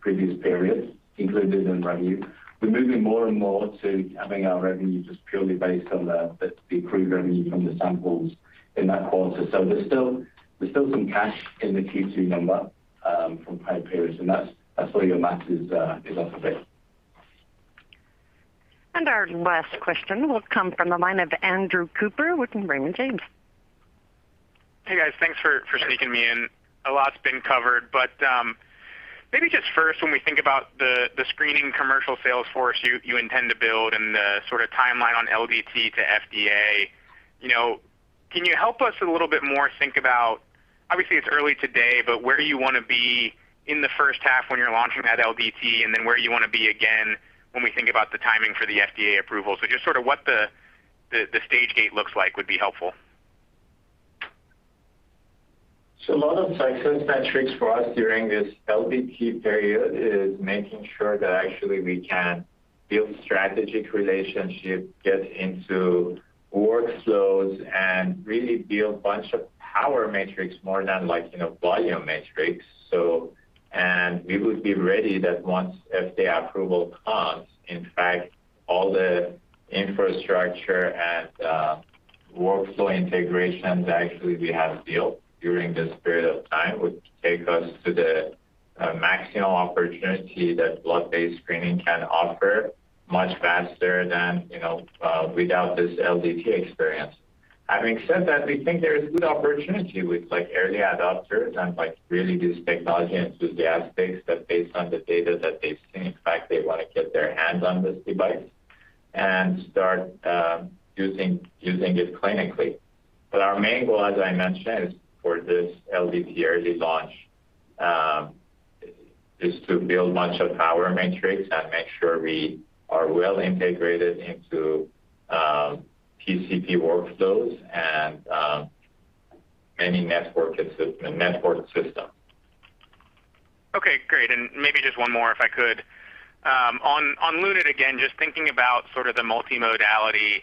previous periods included in revenue. We're moving more and more to having our revenue just purely based on the accrued revenue from the samples in that quarter. There's still some cash in the Q2 number from prior periods, and that's why your math is off a bit. Our last question will come from the line of Andrew Cooper with Raymond James. Hey, guys. Thanks for sneaking me in. A lot's been covered, maybe just first, when we think about the screening commercial sales force you intend to build and the sort of timeline on LDT to FDA, can you help us a little bit more think about, obviously it's early today, but where you want to be in the first half when you're launching that LDT and then where you want to be again when we think about the timing for the FDA approval? Just sort of what the stage gate looks like would be helpful. A lot of success metrics for us during this LDT period is making sure that actually we can build strategic relationship, get into workflows, and really build bunch of power metrics more than volume metrics. We would be ready that once FDA approval comes, in fact, all the infrastructure and workflow integrations actually we have built during this period of time would take us to the maximum opportunity that blood-based screening can offer much faster than without this LDT experience. Having said that, we think there is good opportunity with early adopters and really this technology enthusiasts that based on the data that they've seen, in fact, they want to get their hands on this device and start using it clinically. Our main goal, as I mentioned, for this LDT early launch, is to build much of power metrics and make sure we are well integrated into PCP workflows and many network system. Okay, great. Maybe just 1 more, if I could. On Lunit, again, just thinking about sort of the multimodality,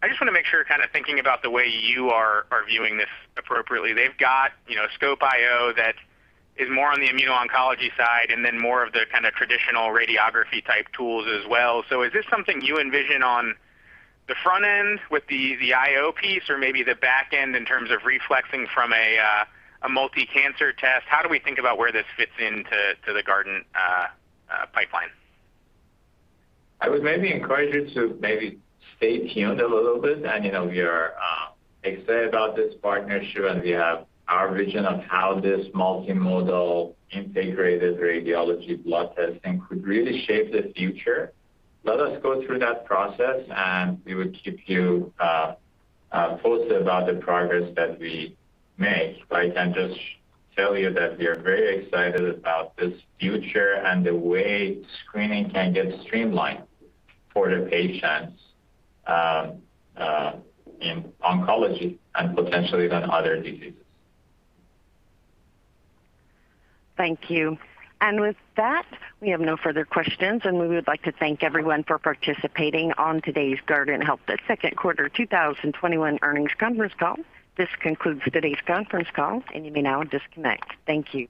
I just want to make sure kind of thinking about the way you are viewing this appropriately. They've got SCOPE IO that is more on the immuno-oncology side and then more of the kind of traditional radiography type tools as well. Is this something you envision on the front end with the IO piece or maybe the back end in terms of reflexing from a multi-cancer test? How do we think about where this fits into the Guardant pipeline? I would maybe encourage you to maybe stay tuned a little bit. We are excited about this partnership, and we have our vision of how this multimodal integrated radiology blood testing could really shape the future. Let us go through that process, and we will keep you posted about the progress that we make. I can just tell you that we are very excited about this future and the way screening can get streamlined for the patients in oncology and potentially even other diseases. Thank you. With that, we have no further questions. We would like to thank everyone for participating on today's Guardant Health Second Quarter 2021 earnings conference call. This concludes today's conference call. You may now disconnect. Thank you.